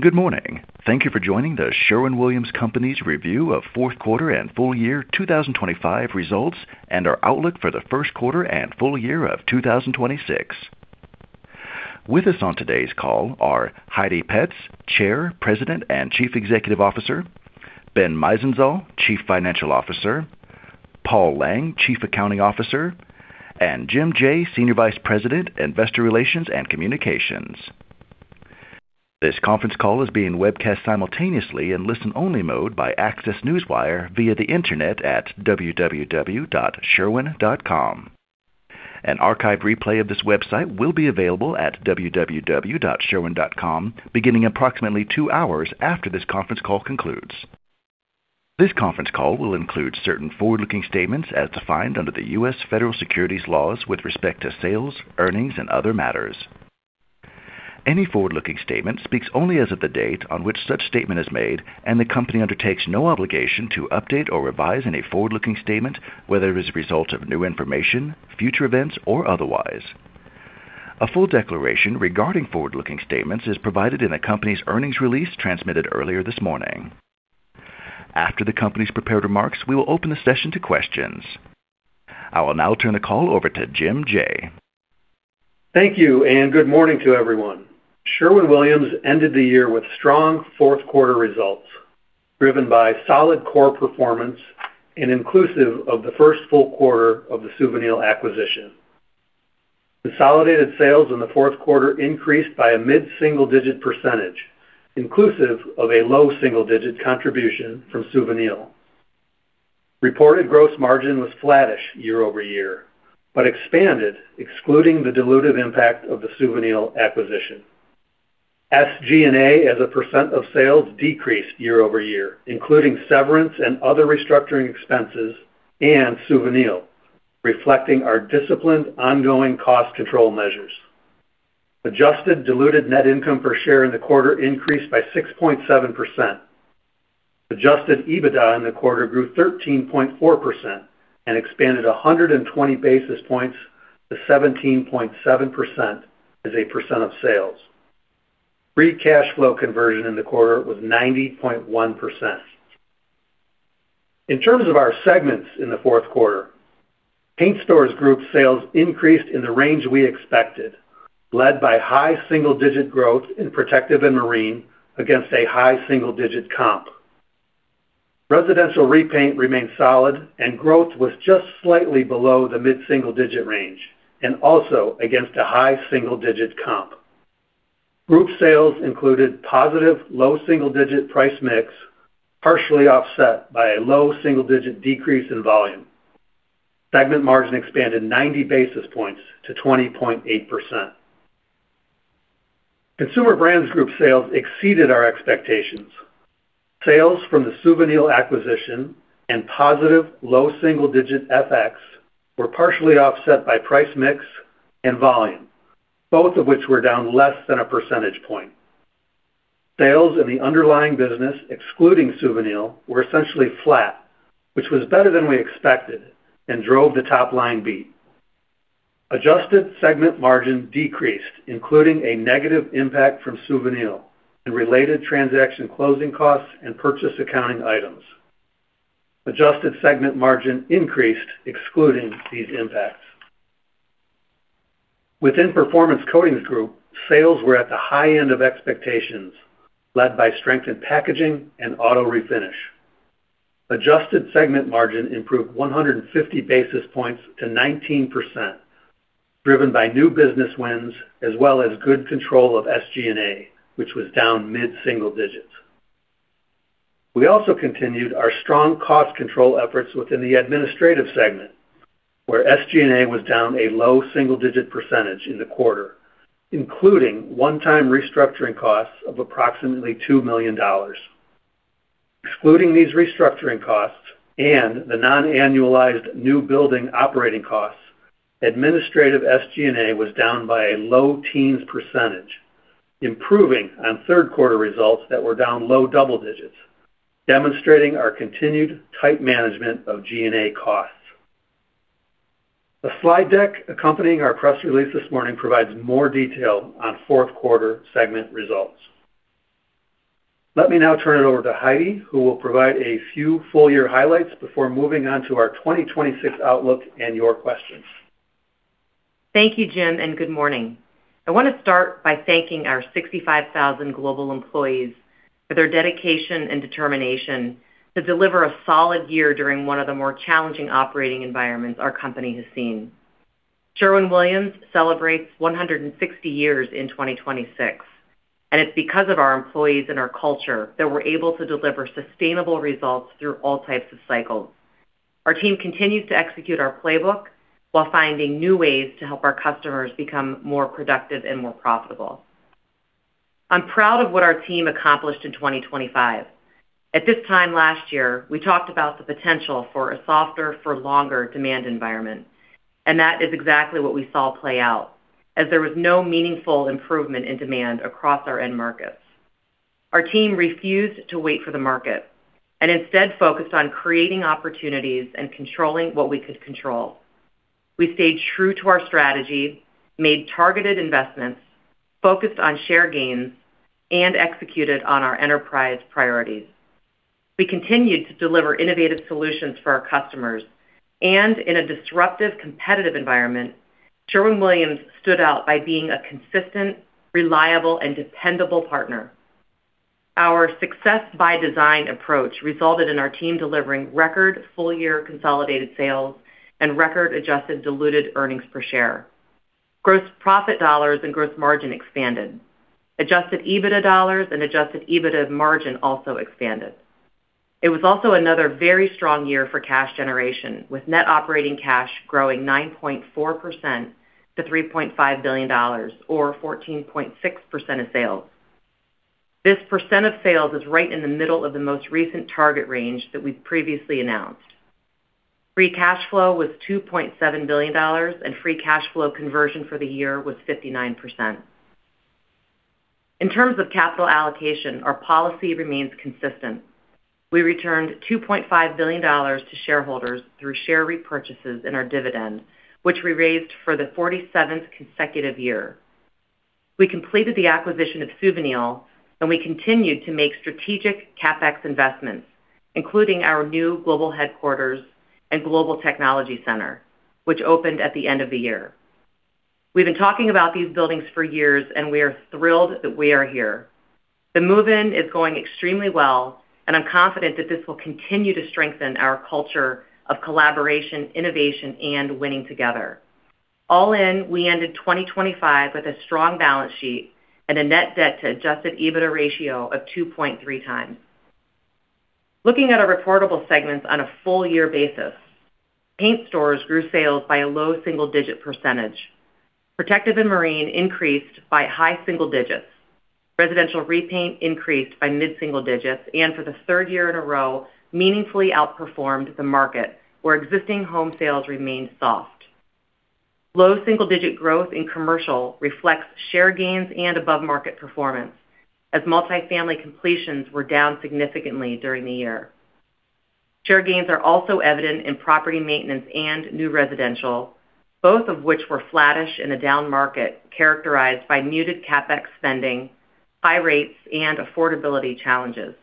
Good morning. Thank you for joining The Sherwin-Williams Company’s review of fourth quarter and full year 2025 results and our outlook for the first quarter and full year of 2026. With us on today’s call are Heidi Petz, Chair, President, and Chief Executive Officer, Ben Meisenzahl, Chief Financial Officer, Paul Lang, Chief Accounting Officer, and Jim Jaye, Senior Vice President, Investor Relations and Communications. This conference call is being webcast simultaneously in listen-only mode by Access Newswire via the Internet at www.sherwin.com. An archive replay of this webcast will be available at www.sherwin.com beginning approximately two hours after this conference call concludes. This conference call will include certain forward-looking statements as defined under the U.S. Federal Securities laws with respect to sales, earnings, and other matters. Any forward-looking statement speaks only as of the date on which such statement is made, and the company undertakes no obligation to update or revise any forward-looking statement, whether as a result of new information, future events, or otherwise. A full declaration regarding forward-looking statements is provided in the company's earnings release transmitted earlier this morning. After the company's prepared remarks, we will open the session to questions. I will now turn the call over to Jim Jaye. Thank you, and good morning to everyone. Sherwin-Williams ended the year with strong fourth quarter results, driven by solid core performance and inclusive of the first full quarter of the Suvinil acquisition. Consolidated sales in the fourth quarter increased by a mid-single-digit percentage, inclusive of a low single-digit contribution from Suvinil. Reported gross margin was flattish year-over-year, but expanded, excluding the dilutive impact of the Suvinil acquisition. SG&A, as a percent of sales, decreased year-over-year, including severance and other restructuring expenses and Suvinil, reflecting our disciplined, ongoing cost control measures. Adjusted diluted net income per share in the quarter increased by 6.7%. Adjusted EBITDA in the quarter grew 13.4% and expanded 100 basis points to 17.7% as a percent of sales. Free cash flow conversion in the quarter was 90.1%. In terms of our segments in the fourth quarter, Paint Stores Group sales increased in the range we expected, led by high single-digit growth in Protective and Marine against a high single-digit comp. Residential Repaint remained solid and growth was just slightly below the mid-single-digit range and also against a high single-digit comp. Group sales included positive low single-digit price mix, partially offset by a low single-digit decrease in volume. Segment margin expanded 90 basis points to 20.8%. Consumer Brands Group sales exceeded our expectations. Sales from the Suvinil acquisition and positive low single-digit FX were partially offset by price mix and volume, both of which were down less than a percentage point. Sales in the underlying business, excluding Suvinil, were essentially flat, which was better than we expected and drove the top-line beat. Adjusted segment margin decreased, including a negative impact from Suvinil and related transaction closing costs and purchase accounting items. Adjusted segment margin increased, excluding these impacts. Within Performance Coatings Group, sales were at the high end of expectations, led by strength in Packaging and Auto Refinish. Adjusted segment margin improved 150 basis points to 19%, driven by new business wins, as well as good control of SG&A, which was down mid-single digits. We also continued our strong cost control efforts within the administrative segment, where SG&A was down a low single-digit percentage in the quarter, including one-time restructuring costs of approximately $2 million. Excluding these restructuring costs and the non-annualized new building operating costs, administrative SG&A was down by a low teens percentage, improving on third quarter results that were down low double digits, demonstrating our continued tight management of G&A costs. The slide deck accompanying our press release this morning provides more detail on fourth quarter segment results. Let me now turn it over to Heidi, who will provide a few full year highlights before moving on to our 2026 outlook and your questions. Thank you, Jim, and good morning. I want to start by thanking our 65,000 global employees for their dedication and determination to deliver a solid year during one of the more challenging operating environments our company has seen. Sherwin-Williams celebrates 160 years in 2026, and it's because of our employees and our culture that we're able to deliver sustainable results through all types of cycles. Our team continues to execute our playbook while finding new ways to help our customers become more productive and more profitable. I'm proud of what our team accomplished in 2025. At this time last year, we talked about the potential for a softer for longer demand environment, and that is exactly what we saw play out as there was no meaningful improvement in demand across our end markets. Our team refused to wait for the market and instead focused on creating opportunities and controlling what we could control. We stayed true to our strategy, made targeted investments, focused on share gains, and executed on our enterprise priorities. We continued to deliver innovative solutions for our customers, and in a disruptive, competitive environment, Sherwin-Williams stood out by being a consistent, reliable, and dependable partner. Our success by design approach resulted in our team delivering record full-year consolidated sales and record adjusted diluted earnings per share. Gross profit dollars and gross margin expanded. Adjusted EBITDA dollars and adjusted EBITDA margin also expanded. It was also another very strong year for cash generation, with net operating cash growing 9.4% to $3.5 billion, or 14.6% of sales. This percent of sales is right in the middle of the most recent target range that we've previously announced. Free cash flow was $2.7 billion, and free cash flow conversion for the year was 59%. In terms of capital allocation, our policy remains consistent. We returned $2.5 billion to shareholders through share repurchases in our dividend, which we raised for the 47th consecutive year. We completed the acquisition of Suvinil, and we continued to make strategic CapEx investments, including our new global headquarters and Global Technology Center, which opened at the end of the year. We've been talking about these buildings for years, and we are thrilled that we are here. The move-in is going extremely well, and I'm confident that this will continue to strengthen our culture of collaboration, innovation, and winning together. All in, we ended 2025 with a strong balance sheet and a net debt to adjusted EBITDA ratio of 2.3x. Looking at our reportable segments on a full year basis, Paint Stores grew sales by a low single-digit %. Protective and Marine increased by high single digits. Residential Repaint increased by mid single digits, and for the third year in a row, meaningfully outperformed the market, where existing home sales remained soft. Low single-digit growth in Commercial reflects share gains and above-market performance, as multifamily completions were down significantly during the year. Share gains are also evident in Property Maintenance and New Residential, both of which were flattish in a down market characterized by muted CapEx spending, high rates, and affordability challenges.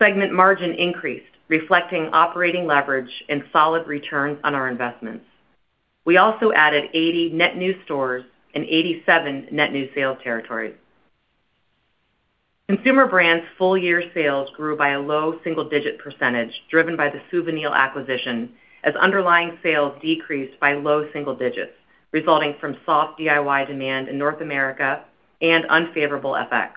Segment margin increased, reflecting operating leverage and solid returns on our investments. We also added 80 net new stores and 87 net new sales territories. Consumer Brands' full-year sales grew by a low single-digit %, driven by the Suvinil acquisition, as underlying sales decreased by low single digits, resulting from soft DIY demand in North America and unfavorable FX.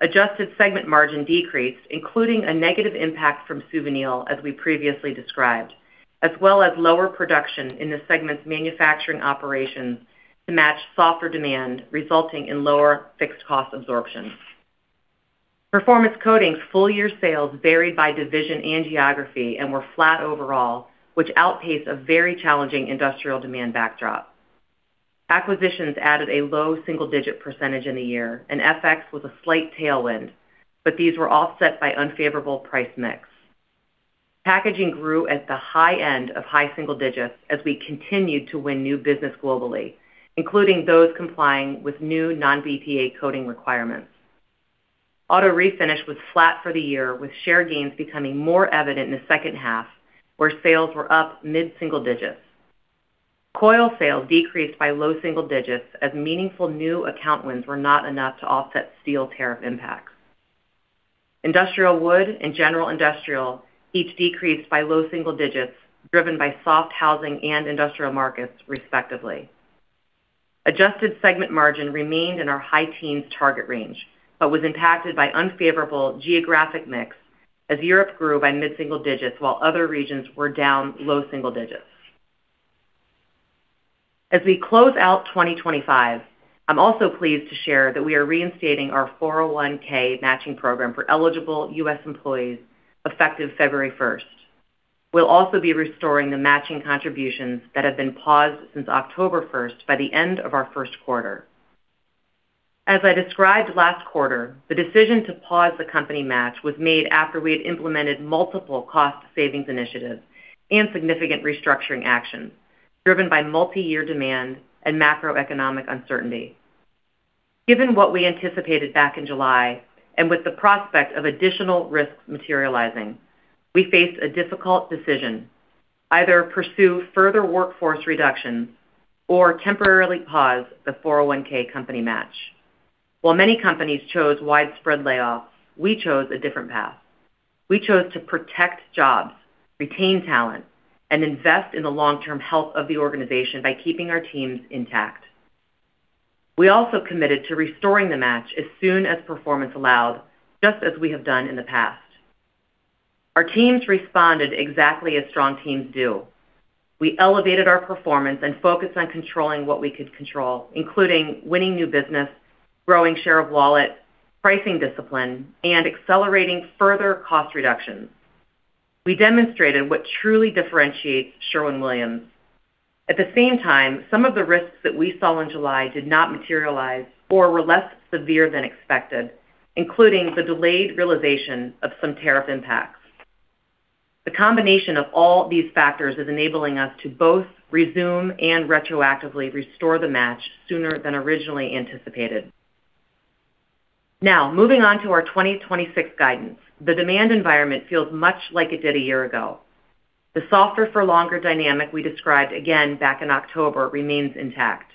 Adjusted segment margin decreased, including a negative impact from Suvinil, as we previously described, as well as lower production in the segment's manufacturing operations to match softer demand, resulting in lower fixed cost absorption. Performance Coatings' full-year sales varied by division and geography and were flat overall, which outpaced a very challenging industrial demand backdrop. Acquisitions added a low single-digit % in the year, and FX was a slight tailwind, but these were offset by unfavorable price mix. Packaging grew at the high end of high single digits as we continued to win new business globally, including those complying with new non-BPA coating requirements. Auto Refinish was flat for the year, with share gains becoming more evident in the second half, where sales were up mid-single digits. Coil sales decreased by low single digits as meaningful new account wins were not enough to offset steel tariff impacts. Industrial Wood and General Industrial each decreased by low single digits, driven by soft housing and industrial markets, respectively. Adjusted segment margin remained in our high teens target range, but was impacted by unfavorable geographic mix as Europe grew by mid-single digits while other regions were down low single digits. As we close out 2025, I'm also pleased to share that we are reinstating our 401(k) matching program for eligible US employees, effective February 1st. We'll also be restoring the matching contributions that have been paused since October 1st by the end of our first quarter. As I described last quarter, the decision to pause the company match was made after we had implemented multiple cost savings initiatives and significant restructuring actions, driven by multiyear demand and macroeconomic uncertainty. Given what we anticipated back in July, and with the prospect of additional risks materializing, we faced a difficult decision, either pursue further workforce reductions or temporarily pause the 401(k) company match. While many companies chose widespread layoffs, we chose a different path. We chose to protect jobs, retain talent, and invest in the long-term health of the organization by keeping our teams intact. We also committed to restoring the match as soon as performance allowed, just as we have done in the past. Our teams responded exactly as strong teams do. We elevated our performance and focused on controlling what we could control, including winning new business, growing share of wallet, pricing discipline, and accelerating further cost reductions. We demonstrated what truly differentiates Sherwin-Williams. At the same time, some of the risks that we saw in July did not materialize or were less severe than expected, including the delayed realization of some tariff impacts. The combination of all these factors is enabling us to both resume and retroactively restore the match sooner than originally anticipated. Now, moving on to our 2026 guidance. The demand environment feels much like it did a year ago. The softer for longer dynamic we described again back in October remains intact.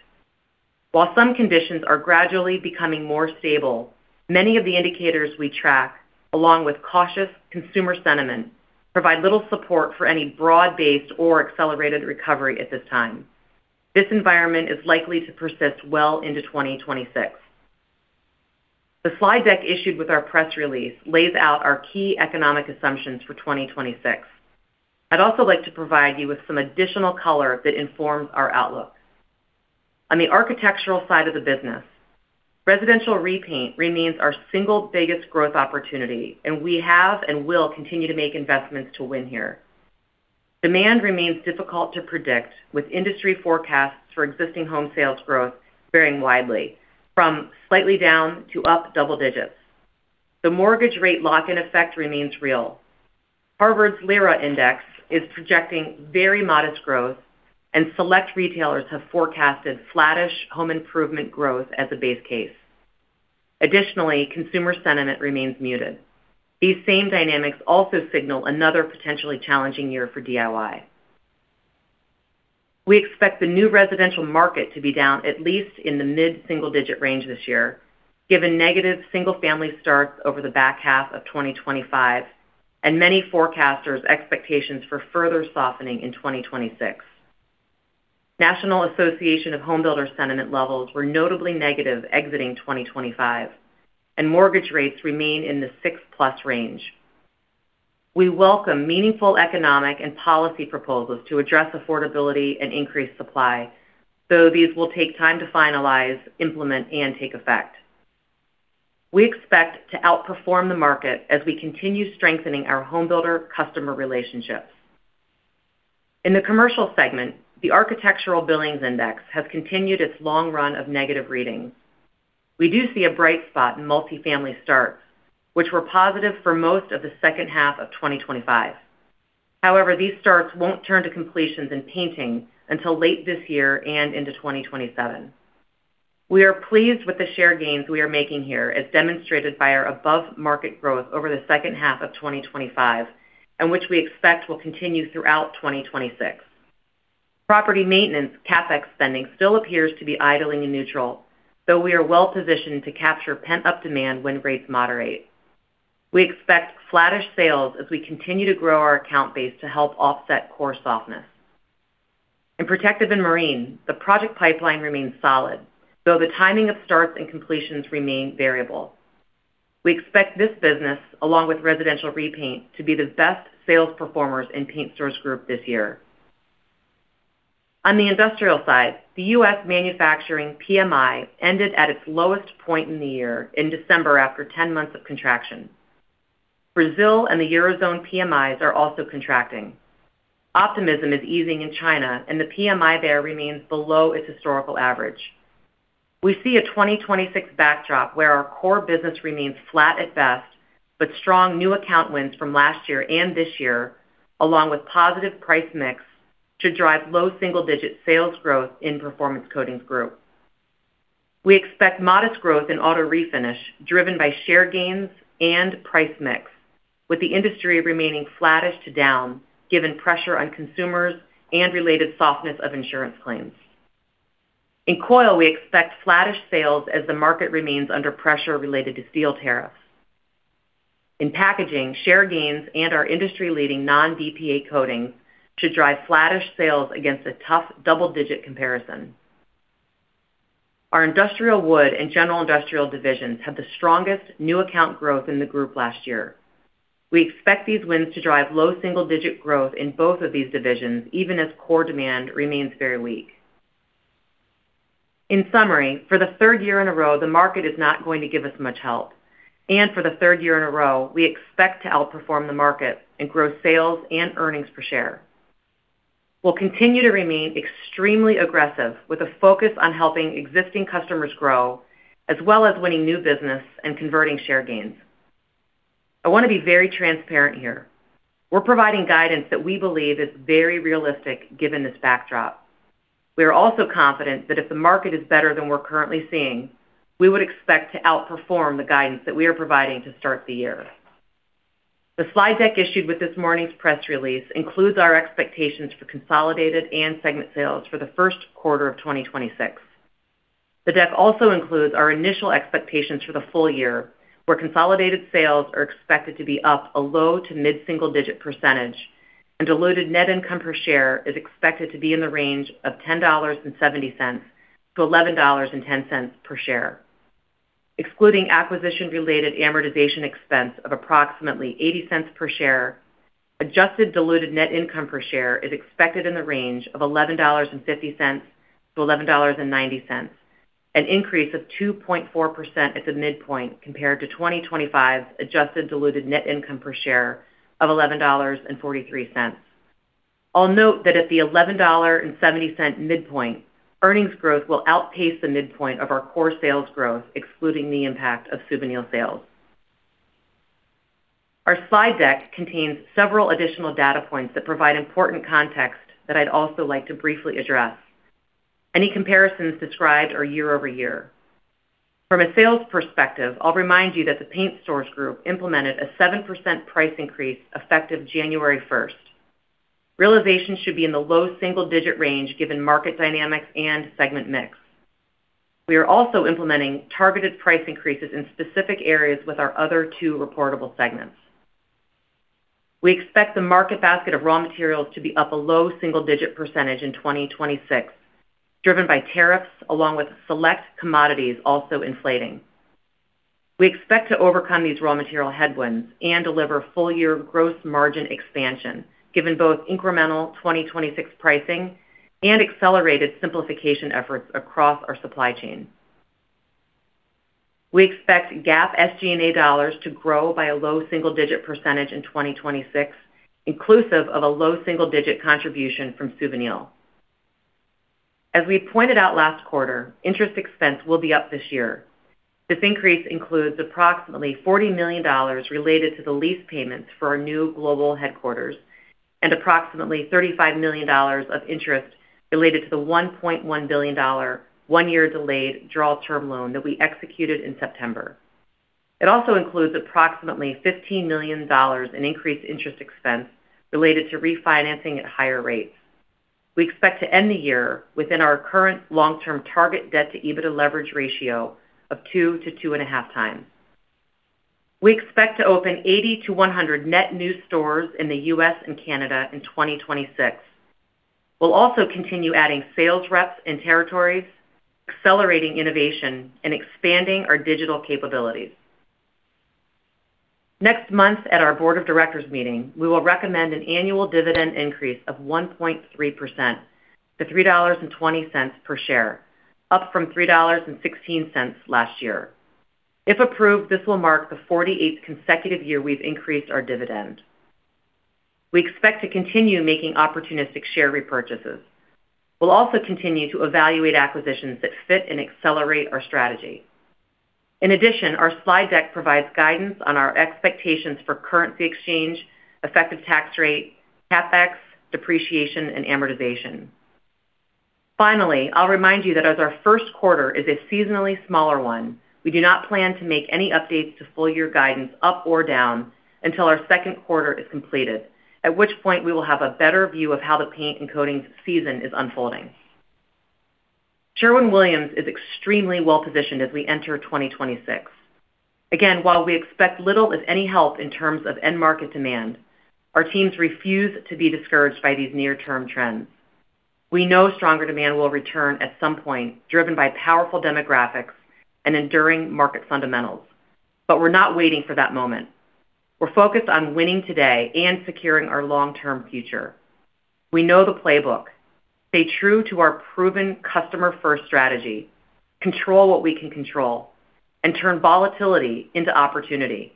While some conditions are gradually becoming more stable, many of the indicators we track, along with cautious consumer sentiment, provide little support for any broad-based or accelerated recovery at this time. This environment is likely to persist well into 2026. The slide deck issued with our press release lays out our key economic assumptions for 2026. I'd also like to provide you with some additional color that informs our outlook. On the architectural side of the business, Residential Repaint remains our single biggest growth opportunity, and we have and will continue to make investments to win here. Demand remains difficult to predict, with industry forecasts for existing home sales growth varying widely from slightly down to up double digits. The mortgage rate lock-in effect remains real. Harvard's LIRA Index is projecting very modest growth, and select retailers have forecasted flattish home improvement growth as a base case. Additionally, consumer sentiment remains muted. These same dynamics also signal another potentially challenging year for DIY. We expect the new residential market to be down at least in the mid-single digit range this year, given negative single-family starts over the back half of 2025, and many forecasters' expectations for further softening in 2026. National Association of Home Builders sentiment levels were notably negative exiting 2025, and mortgage rates remain in the 6+ range. We welcome meaningful economic and policy proposals to address affordability and increase supply, though these will take time to finalize, implement, and take effect. We expect to outperform the market as we continue strengthening our home builder customer relationships. In the commercial segment, the Architectural Billings Index has continued its long run of negative readings. We do see a bright spot in multifamily starts, which were positive for most of the second half of 2025. However, these starts won't turn to completions and painting until late this year and into 2027. We are pleased with the share gains we are making here, as demonstrated by our above-market growth over the second half of 2025, and which we expect will continue throughout 2026. Property Maintenance CapEx spending still appears to be idling in neutral, though we are well positioned to capture pent-up demand when rates moderate. We expect flattish sales as we continue to grow our account base to help offset core softness. In Protective and Marine, the project pipeline remains solid, though the timing of starts and completions remain variable. We expect this business, along with Residential Repaint, to be the best sales performers in Paint Stores Group this year. On the industrial side, the U.S. manufacturing PMI ended at its lowest point in the year in December, after ten months of contraction. Brazil and the Eurozone PMIs are also contracting. Optimism is easing in China, and the PMI there remains below its historical average. We see a 2026 backdrop where our core business remains flat at best, but strong new account wins from last year and this year, along with positive price mix, to drive low single-digit sales growth in Performance Coatings Group. We expect modest growth in Auto Refinish, driven by share gains and price mix, with the industry remaining flattish to down, given pressure on consumers and related softness of insurance claims. In Coil, we expect flattish sales as the market remains under pressure related to steel tariffs. In Packaging, share gains and our industry-leading non-BPA coatings should drive flattish sales against a tough double-digit comparison. Our Industrial Wood and General Industrial divisions had the strongest new account growth in the group last year. We expect these wins to drive low single-digit growth in both of these divisions, even as core demand remains very weak. In summary, for the third year in a row, the market is not going to give us much help, and for the third year in a row, we expect to outperform the market and grow sales and earnings per share. We'll continue to remain extremely aggressive, with a focus on helping existing customers grow, as well as winning new business and converting share gains. I want to be very transparent here. We're providing guidance that we believe is very realistic given this backdrop. We are also confident that if the market is better than we're currently seeing, we would expect to outperform the guidance that we are providing to start the year. The slide deck issued with this morning's press release includes our expectations for consolidated and segment sales for the first quarter of 2026. The deck also includes our initial expectations for the full year, where consolidated sales are expected to be up a low- to mid-single-digit %, and diluted net income per share is expected to be in the range of $10.70-$11.10 per share. Excluding acquisition-related amortization expense of approximately $0.80 per share, adjusted diluted net income per share is expected in the range of $11.50-$11.90, an increase of 2.4% at the midpoint compared to 2025's adjusted diluted net income per share of $11.43.... I'll note that at the $11.70 midpoint, earnings growth will outpace the midpoint of our core sales growth, excluding the impact of Suvinil sales. Our slide deck contains several additional data points that provide important context that I'd also like to briefly address. Any comparisons described are year-over-year. From a sales perspective, I'll remind you that the Paint Stores Group implemented a 7% price increase effective January 1st. Realization should be in the low single-digit range, given market dynamics and segment mix. We are also implementing targeted price increases in specific areas with our other two reportable segments. We expect the market basket of raw materials to be up a low single-digit % in 2026, driven by tariffs, along with select commodities also inflating. We expect to overcome these raw material headwinds and deliver full-year gross margin expansion, given both incremental 2026 pricing and accelerated simplification efforts across our supply chain. We expect GAAP SG&A dollars to grow by a low single-digit % in 2026, inclusive of a low single-digit contribution from Suvinil. As we pointed out last quarter, interest expense will be up this year. This increase includes approximately $40 million related to the lease payments for our new global headquarters and approximately $35 million of interest related to the $1.1 billion, one year delayed draw term loan that we executed in September. It also includes approximately $15 million in increased interest expense related to refinancing at higher rates. We expect to end the year within our current long-term target debt to EBITDA leverage ratio of 2-2.5 times. We expect to open 80-100 net new stores in the U.S. and Canada in 2026. We'll also continue adding sales reps and territories, accelerating innovation and expanding our digital capabilities. Next month, at our Board of Directors meeting, we will recommend an annual dividend increase of 1.3% to $3.20 per share, up from $3.16 last year. If approved, this will mark the 48th consecutive year we've increased our dividend. We expect to continue making opportunistic share repurchases. We'll also continue to evaluate acquisitions that fit and accelerate our strategy. In addition, our slide deck provides guidance on our expectations for currency exchange, effective tax rate, CapEx, depreciation, and amortization. Finally, I'll remind you that as our first quarter is a seasonally smaller one, we do not plan to make any updates to full year guidance up or down until our second quarter is completed, at which point we will have a better view of how the paint and coatings season is unfolding. Sherwin-Williams is extremely well-positioned as we enter 2026. Again, while we expect little, if any, help in terms of end market demand, our teams refuse to be discouraged by these near-term trends. We know stronger demand will return at some point, driven by powerful demographics and enduring market fundamentals. But we're not waiting for that moment. We're focused on winning today and securing our long-term future. We know the playbook, stay true to our proven customer-first strategy, control what we can control, and turn volatility into opportunity.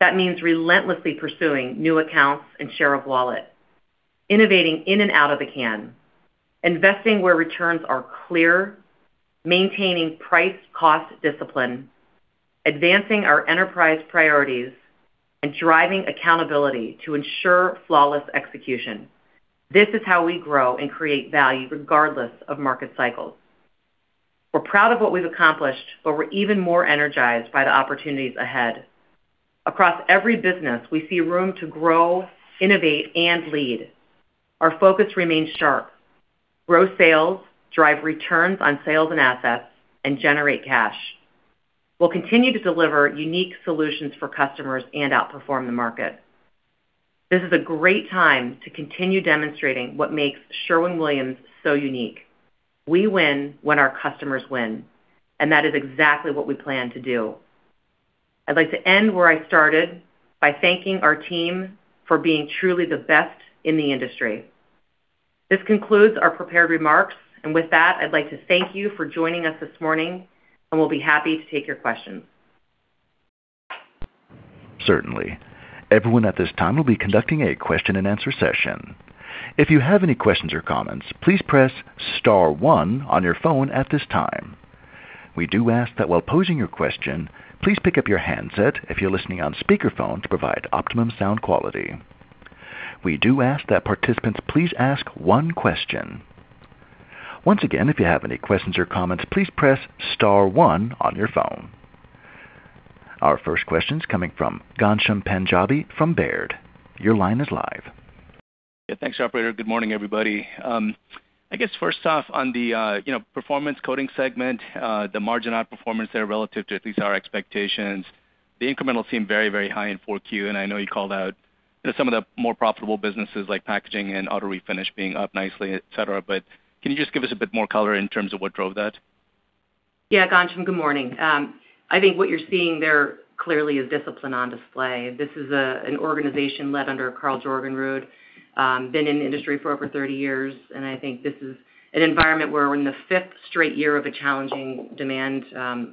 That means relentlessly pursuing new accounts and share of wallet, innovating in and out of the can, investing where returns are clear, maintaining price-cost discipline, advancing our enterprise priorities, and driving accountability to ensure flawless execution. This is how we grow and create value, regardless of market cycles. We're proud of what we've accomplished, but we're even more energized by the opportunities ahead. Across every business, we see room to grow, innovate, and lead. Our focus remains sharp, grow sales, drive returns on sales and assets, and generate cash. We'll continue to deliver unique solutions for customers and outperform the market. This is a great time to continue demonstrating what makes Sherwin-Williams so unique. We win when our customers win, and that is exactly what we plan to do. I'd like to end where I started by thanking our team for being truly the best in the industry. This concludes our prepared remarks, and with that, I'd like to thank you for joining us this morning, and we'll be happy to take your questions. Certainly. Everyone at this time will be conducting a question-and-answer session. If you have any questions or comments, please press star one on your phone at this time. We do ask that while posing your question, please pick up your handset if you're listening on speakerphone, to provide optimum sound quality. We do ask that participants please ask one question. Once again, if you have any questions or comments, please press star one on your phone. Our first question is coming from Ghansham Panjabi from Baird. Your line is live. Yeah. Thanks, operator. Good morning, everybody. I guess first off, on the, you know, Performance Coatings segment, the margin outperformance there relative to at least our expectations, the incremental seemed very, very high in 4Q, and I know you called out some of the more profitable businesses like Packaging and Auto Refinish being up nicely, et cetera. But can you just give us a bit more color in terms of what drove that? Yeah, Ghansham, good morning. I think what you're seeing there clearly is discipline on display. This is an organization led under Karl Jorgenrud, been in the industry for over 30 years, and I think this is an environment where we're in the fifth straight year of a challenging demand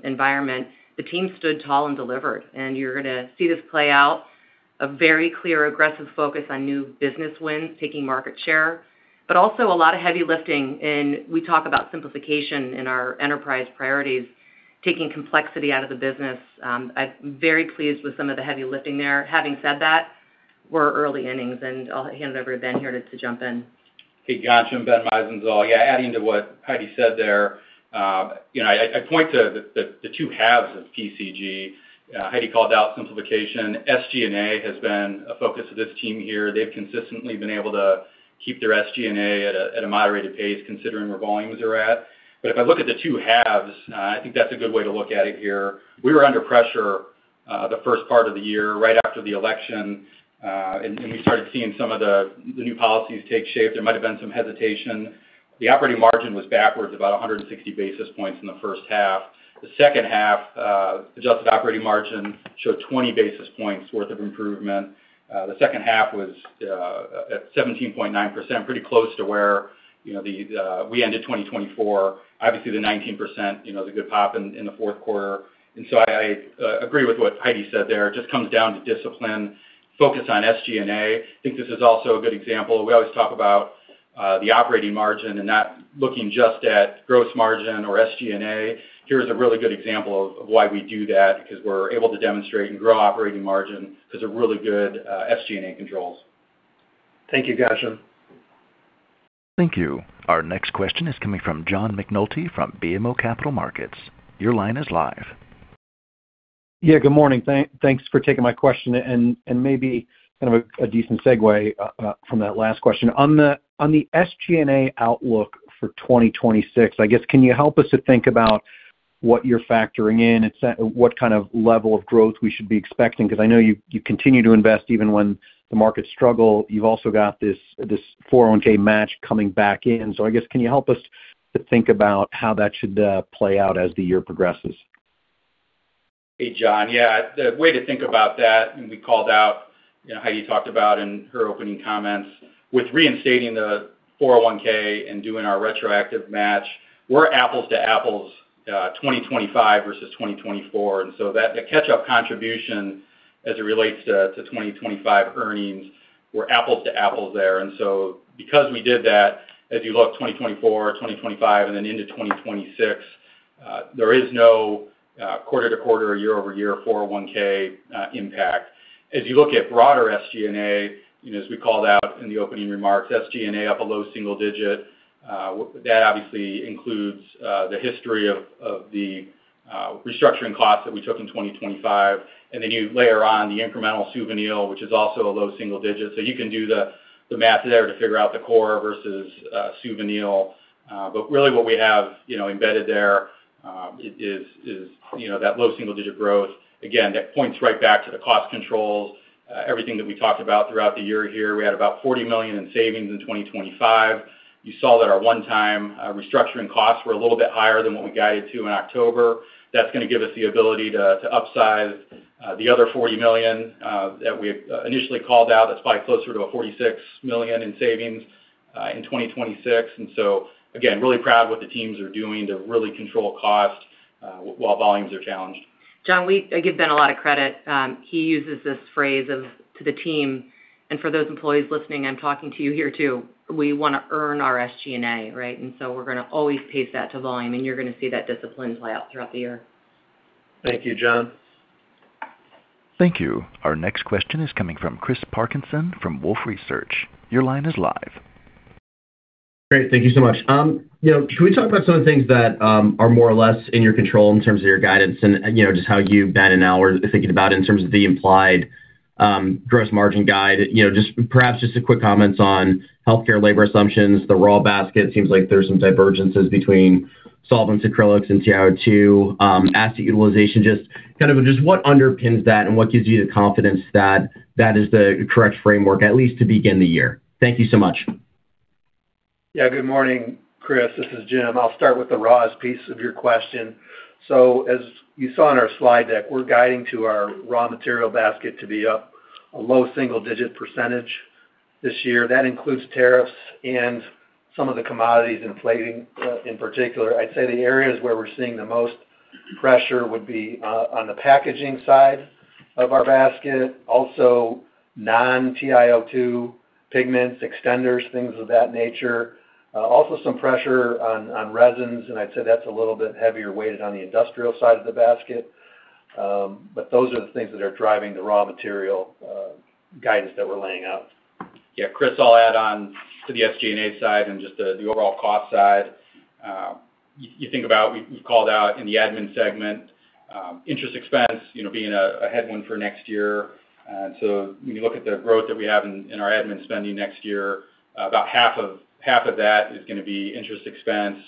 environment. The team stood tall and delivered, and you're gonna see this play out... a very clear, aggressive focus on new business wins, taking market share, but also a lot of heavy lifting in, we talk about simplification in our enterprise priorities, taking complexity out of the business. I'm very pleased with some of the heavy lifting there. Having said that, we're early innings, and I'll hand it over to Ben here to jump in. Hey, Ghansham, Ben Meisenzahl. Yeah, adding to what Heidi said there, you know, I point to the two halves of PCG. Heidi called out simplification. SG&A has been a focus of this team here. They've consistently been able to keep their SG&A at a moderated pace, considering where volumes are at. But if I look at the two halves, I think that's a good way to look at it here. We were under pressure, the first part of the year, right after the election, and we started seeing some of the new policies take shape. There might have been some hesitation. The operating margin was backwards, about 100 basis points in the first half. The second half, adjusted operating margin showed 20 basis points worth of improvement. The second half was at 17.9%, pretty close to where, you know, the we ended 2024. Obviously, the 19%, you know, the good pop in, in the fourth quarter. And so I, I, agree with what Heidi said there. It just comes down to discipline, focus on SG&A. I think this is also a good example. We always talk about the operating margin and not looking just at gross margin or SG&A. Here's a really good example of, of why we do that, because we're able to demonstrate and grow operating margin because of really good SG&A controls. Thank you, Ghansham. Thank you. Our next question is coming from John McNulty from BMO Capital Markets. Your line is live. Yeah, good morning. Thanks for taking my question and maybe kind of a decent segue from that last question. On the SG&A outlook for 2026, I guess, can you help us to think about what you're factoring in, etc.—what kind of level of growth we should be expecting? 'Cause I know you continue to invest even when the markets struggle. You've also got this 401(k) match coming back in. So I guess, can you help us to think about how that should play out as the year progresses? Hey, John. Yeah, the way to think about that, and we called out, you know, Heidi talked about in her opening comments, with reinstating the 401(k) and doing our retroactive match, we're apples to apples, 2025 versus 2024. And so that—the catch-up contribution as it relates to, to 2025 earnings, we're apples to apples there. And so because we did that, as you look 2024, 2025, and then into 2026, there is no, quarter-to-quarter, year-over-year, 401(k), impact. As you look at broader SG&A, you know, as we called out in the opening remarks, SG&A up a low single digit. That obviously includes the history of the restructuring costs that we took in 2025, and then you layer on the incremental Suvinil, which is also a low single digit. So you can do the math there to figure out the core versus Suvinil. But really what we have, you know, embedded there is, you know, that low single digit growth. Again, that points right back to the cost controls, everything that we talked about throughout the year here. We had about $40 million in savings in 2025. You saw that our one-time restructuring costs were a little bit higher than what we guided to in October. That's gonna give us the ability to upsize the other $40 million that we initially called out. That's probably closer to $46 million in savings in 2026. And so again, really proud of what the teams are doing to really control cost while volumes are challenged. John, I give Ben a lot of credit. He uses this phrase of to the team, and for those employees listening, I'm talking to you here, too: We wanna earn our SG&A, right? And so we're gonna always pace that to volume, and you're gonna see that discipline play out throughout the year. Thank you, John. Thank you. Our next question is coming from Chris Parkinson from Wolfe Research. Your line is live. Great. Thank you so much. You know, can we talk about some of the things that, are more or less in your control in terms of your guidance and, you know, just how you, Ben, and Al are thinking about it in terms of the implied, gross margin guide? You know, just perhaps just a quick comments on healthcare labor assumptions, the raw basket. It seems like there's some divergences between solvents, acrylics, and CO2, asset utilization. Just kind of just what underpins that and what gives you the confidence that that is the correct framework, at least to begin the year? Thank you so much. Yeah, good morning, Chris. This is Jim. I'll start with the raws piece of your question. So as you saw in our slide deck, we're guiding to our raw material basket to be up a low single-digit % this year. That includes tariffs and some of the commodities inflating. In particular, I'd say the areas where we're seeing the most pressure would be on the Packaging side of our basket, also non-TiO2 pigments, extenders, things of that nature. Also some pressure on resins, and I'd say that's a little bit heavier weighted on the industrial side of the basket. But those are the things that are driving the raw material guidance that we're laying out. Yeah, Chris, I'll add on to the SG&A side and just the overall cost side. You think about we called out in the admin segment, interest expense, you know, being a headwind for next year. So when you look at the growth that we have in our admin spending next year, about half of that is gonna be interest expense,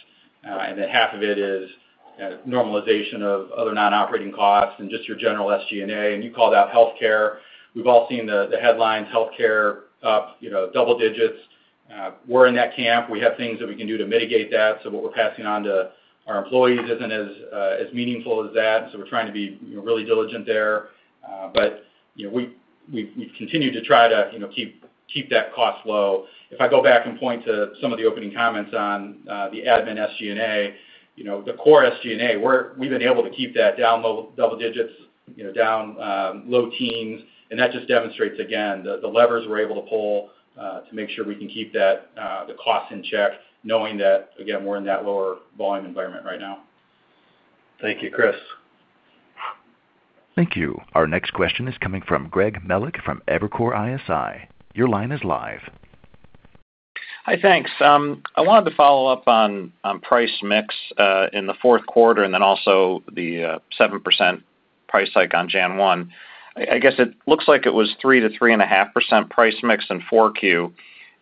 and then half of it is normalization of other non-operating costs and just your general SG&A. And you called out healthcare. We've all seen the headlines, healthcare up, you know, double digits. We're in that camp. We have things that we can do to mitigate that, so what we're passing on to our employees isn't as meaningful as that, so we're trying to be, you know, really diligent there. But, you know, we've continued to try to, you know, keep that cost low. If I go back and point to some of the opening comments on the admin SG&A, you know, the core SG&A, we've been able to keep that down low double digits, you know, down low teens, and that just demonstrates again, the levers we're able to pull to make sure we can keep that the costs in check, knowing that, again, we're in that lower volume environment right now. Thank you, Chris. Thank you. Our next question is coming from Greg Melich from Evercore ISI. Your line is live. Hi, thanks. I wanted to follow up on, on price mix, in the fourth quarter, and then also the, seven percent price hike on January 1. I, I guess it looks like it was 3%-3.5% price mix in Q4.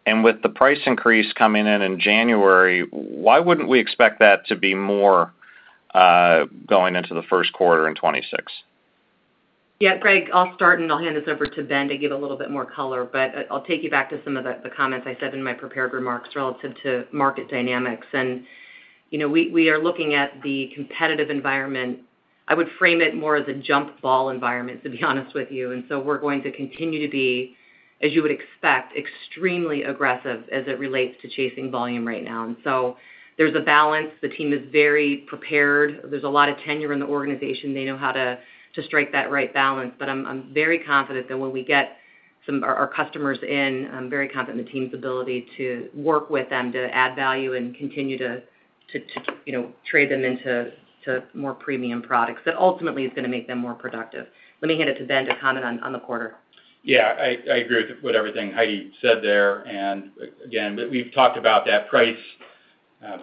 And with the price increase coming in in January, why wouldn't we expect that to be more, going into the first quarter in 2026? Yeah, Greg, I'll start, and I'll hand this over to Ben to give a little bit more color, but I'll take you back to some of the comments I said in my prepared remarks relative to market dynamics. You know, we are looking at the competitive environment. I would frame it more as a jump ball environment, to be honest with you. So we're going to continue to be, as you would expect, extremely aggressive as it relates to chasing volume right now. So there's a balance. The team is very prepared. There's a lot of tenure in the organization. They know how to strike that right balance. But I'm very confident that when we get our customers in, I'm very confident in the team's ability to work with them to add value and continue to you know, trade them into more premium products that ultimately is gonna make them more productive. Let me hand it to Ben to comment on the quarter. Yeah, I agree with everything Heidi said there. And again, we've talked about that price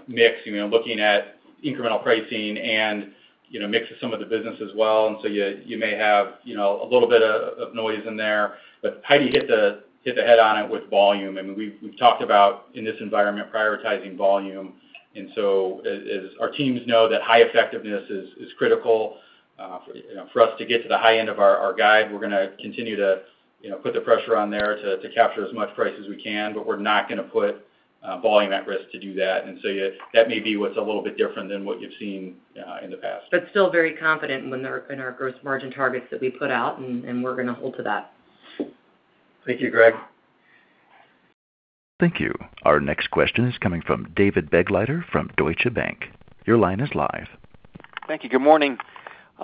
mix, you know, looking at incremental pricing and, you know, mix of some of the business as well. And so you may have, you know, a little bit of noise in there, but Heidi hit the nail on the head with volume. I mean, we've talked about, in this environment, prioritizing volume, and so as our teams know, that high effectiveness is critical, you know, for us to get to the high end of our guide. We're gonna continue to, you know, put the pressure on there to capture as much price as we can, but we're not gonna put volume at risk to do that. And so yeah, that may be what's a little bit different than what you've seen in the past. But still very confident in our gross margin targets that we put out, and we're gonna hold to that. Thank you, Greg. Thank you. Our next question is coming from David Begleiter from Deutsche Bank. Your line is live. Thank you. Good morning.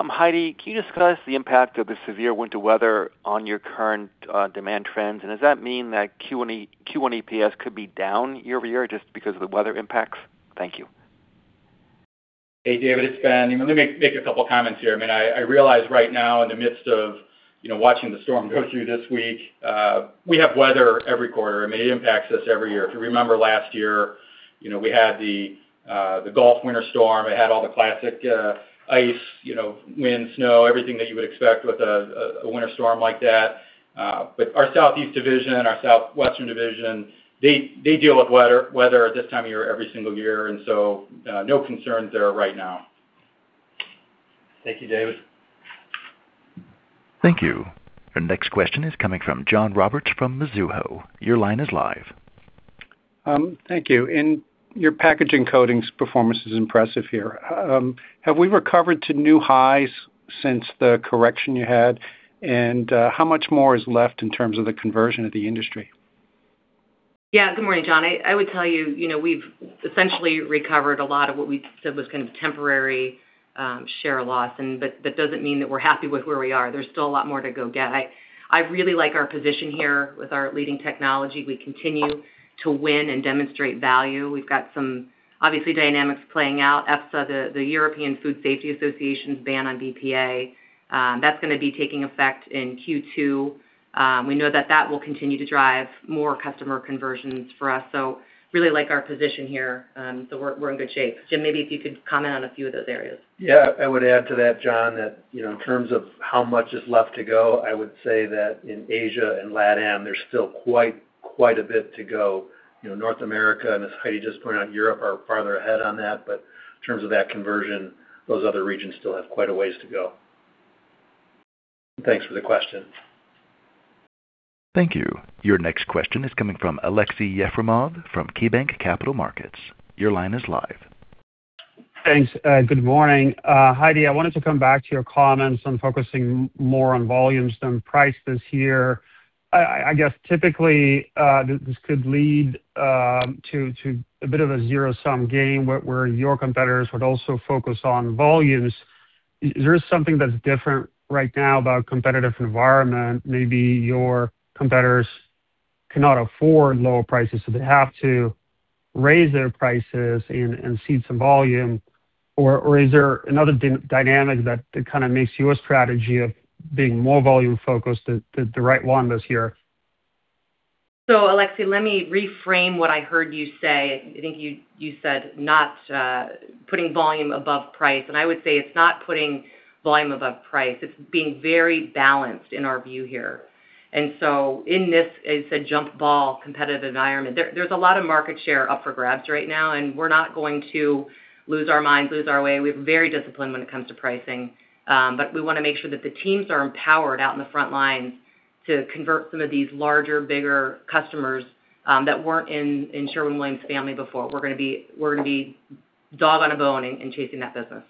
Heidi, can you discuss the impact of the severe winter weather on your current demand trends? Does that mean that Q1 EPS could be down year-over-year just because of the weather impacts? Thank you. Hey, David, it's Ben. Let me make a couple comments here. I mean, I realize right now in the midst of, you know, watching the storm go through this week, we have weather every quarter. I mean, it impacts us every year. If you remember last year, you know, we had the Gulf winter storm. It had all the classic, ice, you know, wind, snow, everything that you would expect with a winter storm like that. But our Southeast Division and our Southwestern Division, they deal with weather at this time of year, every single year, and so, no concerns there right now. Thank you, David. Thank you. Our next question is coming from John Roberts from Mizuho. Your line is live. Thank you. Your packaging coatings performance is impressive here. Have we recovered to new highs since the correction you had? How much more is left in terms of the conversion of the industry? Yeah. Good morning, John. I, I would tell you, you know, we've essentially recovered a lot of what we said was kind of temporary share loss, and but that doesn't mean that we're happy with where we are. There's still a lot more to go get. I, I really like our position here with our leading technology. We continue to win and demonstrate value. We've got some, obviously, dynamics playing out. EFSA, the European Food Safety Association's ban on BPA, that's gonna be taking effect in Q2. We know that that will continue to drive more customer conversions for us, so really like our position here. So we're, we're in good shape. Jim, maybe if you could comment on a few of those areas. Yeah. I would add to that, John, that, you know, in terms of how much is left to go, I would say that in Asia and LATAM, there's still quite, quite a bit to go. You know, North America, and as Heidi just pointed out, Europe are farther ahead on that. But in terms of that conversion, those other regions still have quite a ways to go. Thanks for the question. Thank you. Your next question is coming from Aleksey Yefremov from KeyBank Capital Markets. Your line is live. Thanks. Good morning. Heidi, I wanted to come back to your comments on focusing more on volumes than price this year. I guess typically this could lead to a bit of a zero-sum game, where your competitors would also focus on volumes. Is there something that's different right now about competitive environment? Maybe your competitors cannot afford lower prices, so they have to raise their prices and cede some volume. Or is there another dynamic that kind of makes your strategy of being more volume focused the right one this year? So, Aleksey, let me reframe what I heard you say. I think you said not putting volume above price, and I would say it's not putting volume above price. It's being very balanced in our view here. And so in this, it's a jump ball, competitive environment. There's a lot of market share up for grabs right now, and we're not going to lose our minds, lose our way. We're very disciplined when it comes to pricing, but we wanna make sure that the teams are empowered out in the front lines to convert some of these larger, bigger customers that weren't in Sherwin-Williams family before. We're gonna be dog on a bone in chasing that business....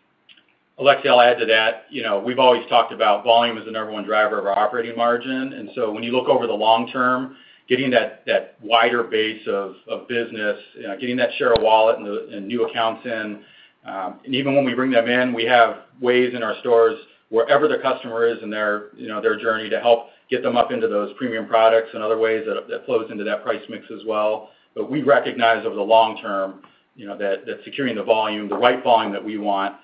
Aleksey, I'll add to that. You know, we've always talked about volume as the number one driver of our operating margin. And so when you look over the long term, getting that, that wider base of, of business, getting that share of wallet and the, and new accounts in, and even when we bring them in, we have ways in our stores, wherever the customer is in their, you know, their journey, to help get them up into those premium products and other ways that, that flows into that price mix as well. But we recognize over the long term, you know, that, that securing the volume, the right volume that we want,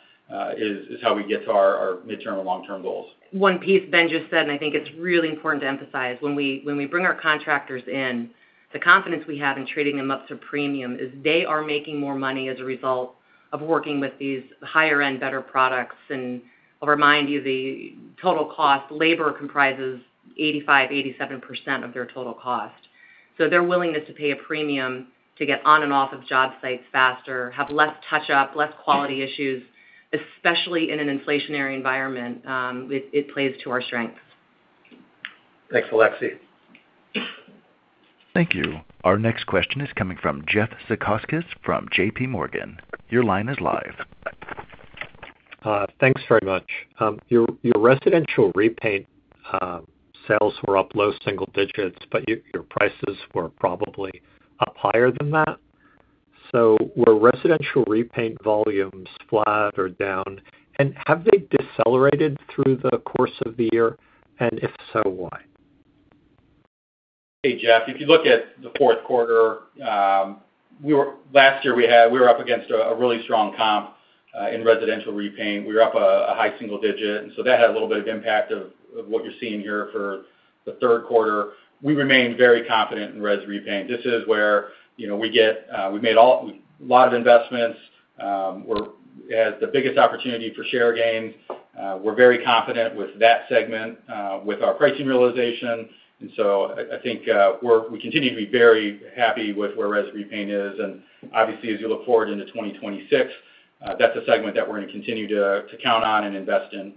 is, is how we get to our, our midterm and long-term goals. One piece Ben just said, and I think it's really important to emphasize: when we bring our contractors in, the confidence we have in treating them up to premium is they are making more money as a result of working with these higher-end, better products. And I'll remind you, the total cost, labor comprises 85%-87% of their total cost. So their willingness to pay a premium to get on and off of job sites faster, have less touch-up, less quality issues, especially in an inflationary environment, it plays to our strengths. Thanks, Aleksey. Thank you. Our next question is coming from Jeffrey Zekauskas from JP Morgan. Your line is live. Thanks very much. Your Residential Repaint sales were up low single digits, but your prices were probably up higher than that. So were Residential Repaint volumes flat or down? And have they decelerated through the course of the year, and if so, why? Hey, Jeff. If you look at the fourth quarter, we were last year, we had we were up against a really strong comp in Residential Repaint. We were up a high single digit, and so that had a little bit of impact of what you're seeing here for the third quarter. We remain very confident in Res Repaint. This is where, you know, we get, we made all a lot of investments. We're at the biggest opportunity for share gains. We're very confident with that segment, with our pricing realization. I think we're we continue to be very happy with where Res Repaint is. Obviously, as you look forward into 2026, that's a segment that we're gonna continue to count on and invest in.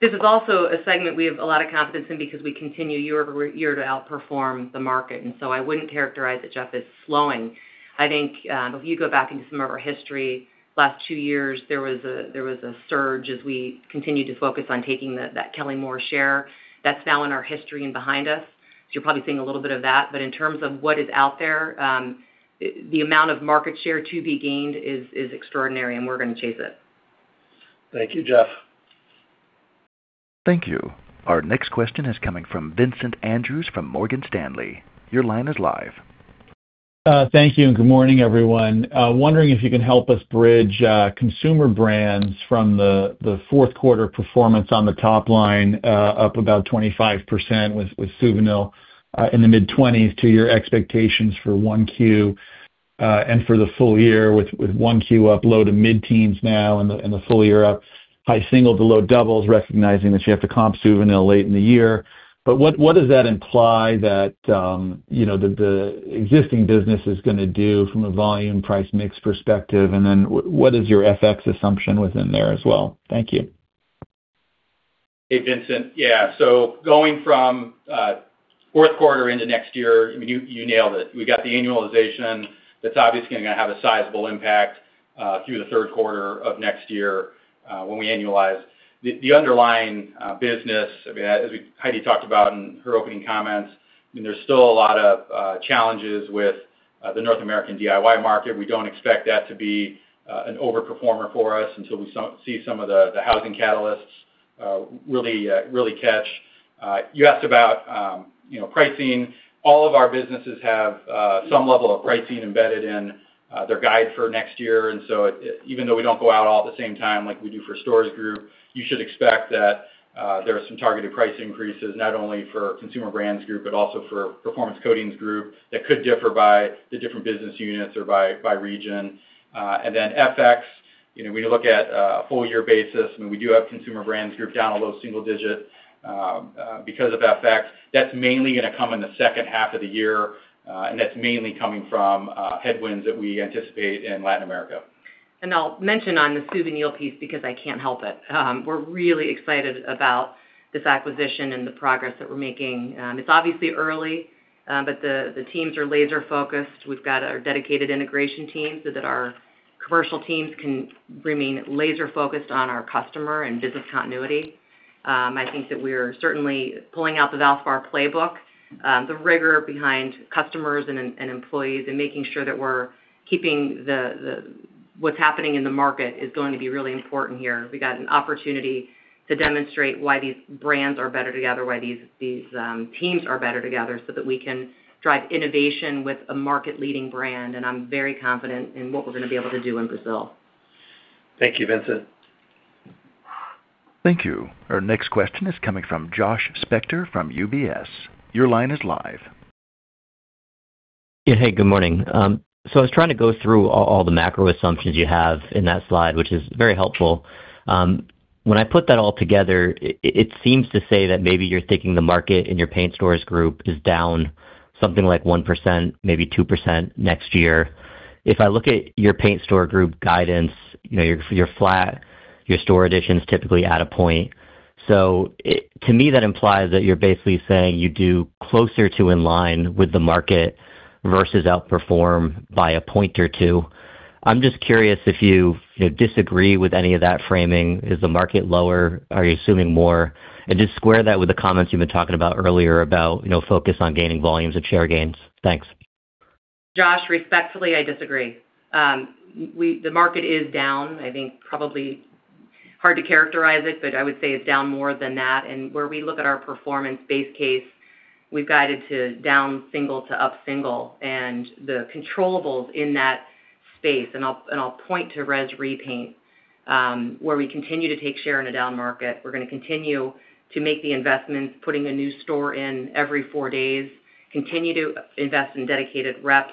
This is also a segment we have a lot of confidence in because we continue year-over-year to outperform the market, and so I wouldn't characterize it, Jeff, as slowing. I think, if you go back into some of our history, last two years, there was a surge as we continued to focus on taking that Kelly-Moore share. That's now in our history and behind us, so you're probably seeing a little bit of that. But in terms of what is out there, the amount of market share to be gained is extraordinary, and we're gonna chase it. Thank you, Jeff. Thank you. Our next question is coming from Vincent Andrews from Morgan Stanley. Your line is live. Thank you, and good morning, everyone. Wondering if you can help us bridge consumer brands from the fourth quarter performance on the top line up about 25%, with Suvinil in the mid-20s, to your expectations for 1Q and for the full year, with 1Q up low-to-mid-teens now, and the full year up high single to low doubles, recognizing that you have to comp Suvinil late in the year. But what does that imply that, you know, the existing business is gonna do from a volume price mix perspective? And then what is your FX assumption within there as well? Thank you. Hey, Vincent. Yeah, so going from fourth quarter into next year, I mean, you nailed it. We got the annualization that's obviously gonna have a sizable impact through the third quarter of next year when we annualize. The underlying business, I mean, as Heidi talked about in her opening comments, I mean, there's still a lot of challenges with the North American DIY market. We don't expect that to be an overperformer for us until we see some of the housing catalysts really catch. You asked about, you know, pricing. All of our businesses have some level of pricing embedded in their guide for next year, and so it even though we don't go out all at the same time like we do for Paint Stores Group, you should expect that there are some targeted price increases, not only for Consumer Brands Group, but also for Performance Coatings Group, that could differ by the different business units or by region. And then FX, you know, when you look at a full year basis, and we do have Consumer Brands Group down a low single digit because of FX. That's mainly gonna come in the second half of the year, and that's mainly coming from headwinds that we anticipate in Latin America. And I'll mention on the Suvinil piece, because I can't help it. We're really excited about this acquisition and the progress that we're making. It's obviously early, but the teams are laser-focused. We've got a dedicated integration team so that our commercial teams can remain laser-focused on our customer and business continuity. I think that we're certainly pulling out the Valspar playbook, the rigor behind customers and employees, and making sure that we're keeping the... What's happening in the market is going to be really important here. We've got an opportunity to demonstrate why these brands are better together, why these teams are better together, so that we can drive innovation with a market-leading brand, and I'm very confident in what we're gonna be able to do in Brazil. Thank you, Vincent. Thank you. Our next question is coming from Josh Spector from UBS. Your line is live. Yeah, hey, good morning. So I was trying to go through all the macro assumptions you have in that slide, which is very helpful. When I put that all together, it seems to say that maybe you're thinking the market in your Paint Stores Group is down something like 1%, maybe 2% next year. If I look at your Paint Stores Group guidance, you know, you're flat, your store addition's typically at 1%. So, to me, that implies that you're basically saying you do closer to in line with the market versus outperform by 1% or 2%. I'm just curious if you know disagree with any of that framing. Is the market lower? Are you assuming more? Just square that with the comments you've been talking about earlier, about, you know, focus on gaining volumes and share gains. Thanks.... Josh, respectfully, I disagree. We, the market is down, I think probably hard to characterize it, but I would say it's down more than that. And where we look at our performance base case, we've guided to down single to up single, and the controllables in that space, and I'll point to Residential Repaint, where we continue to take share in a down market. We're gonna continue to make the investments, putting a new store in every four days, continue to invest in dedicated reps.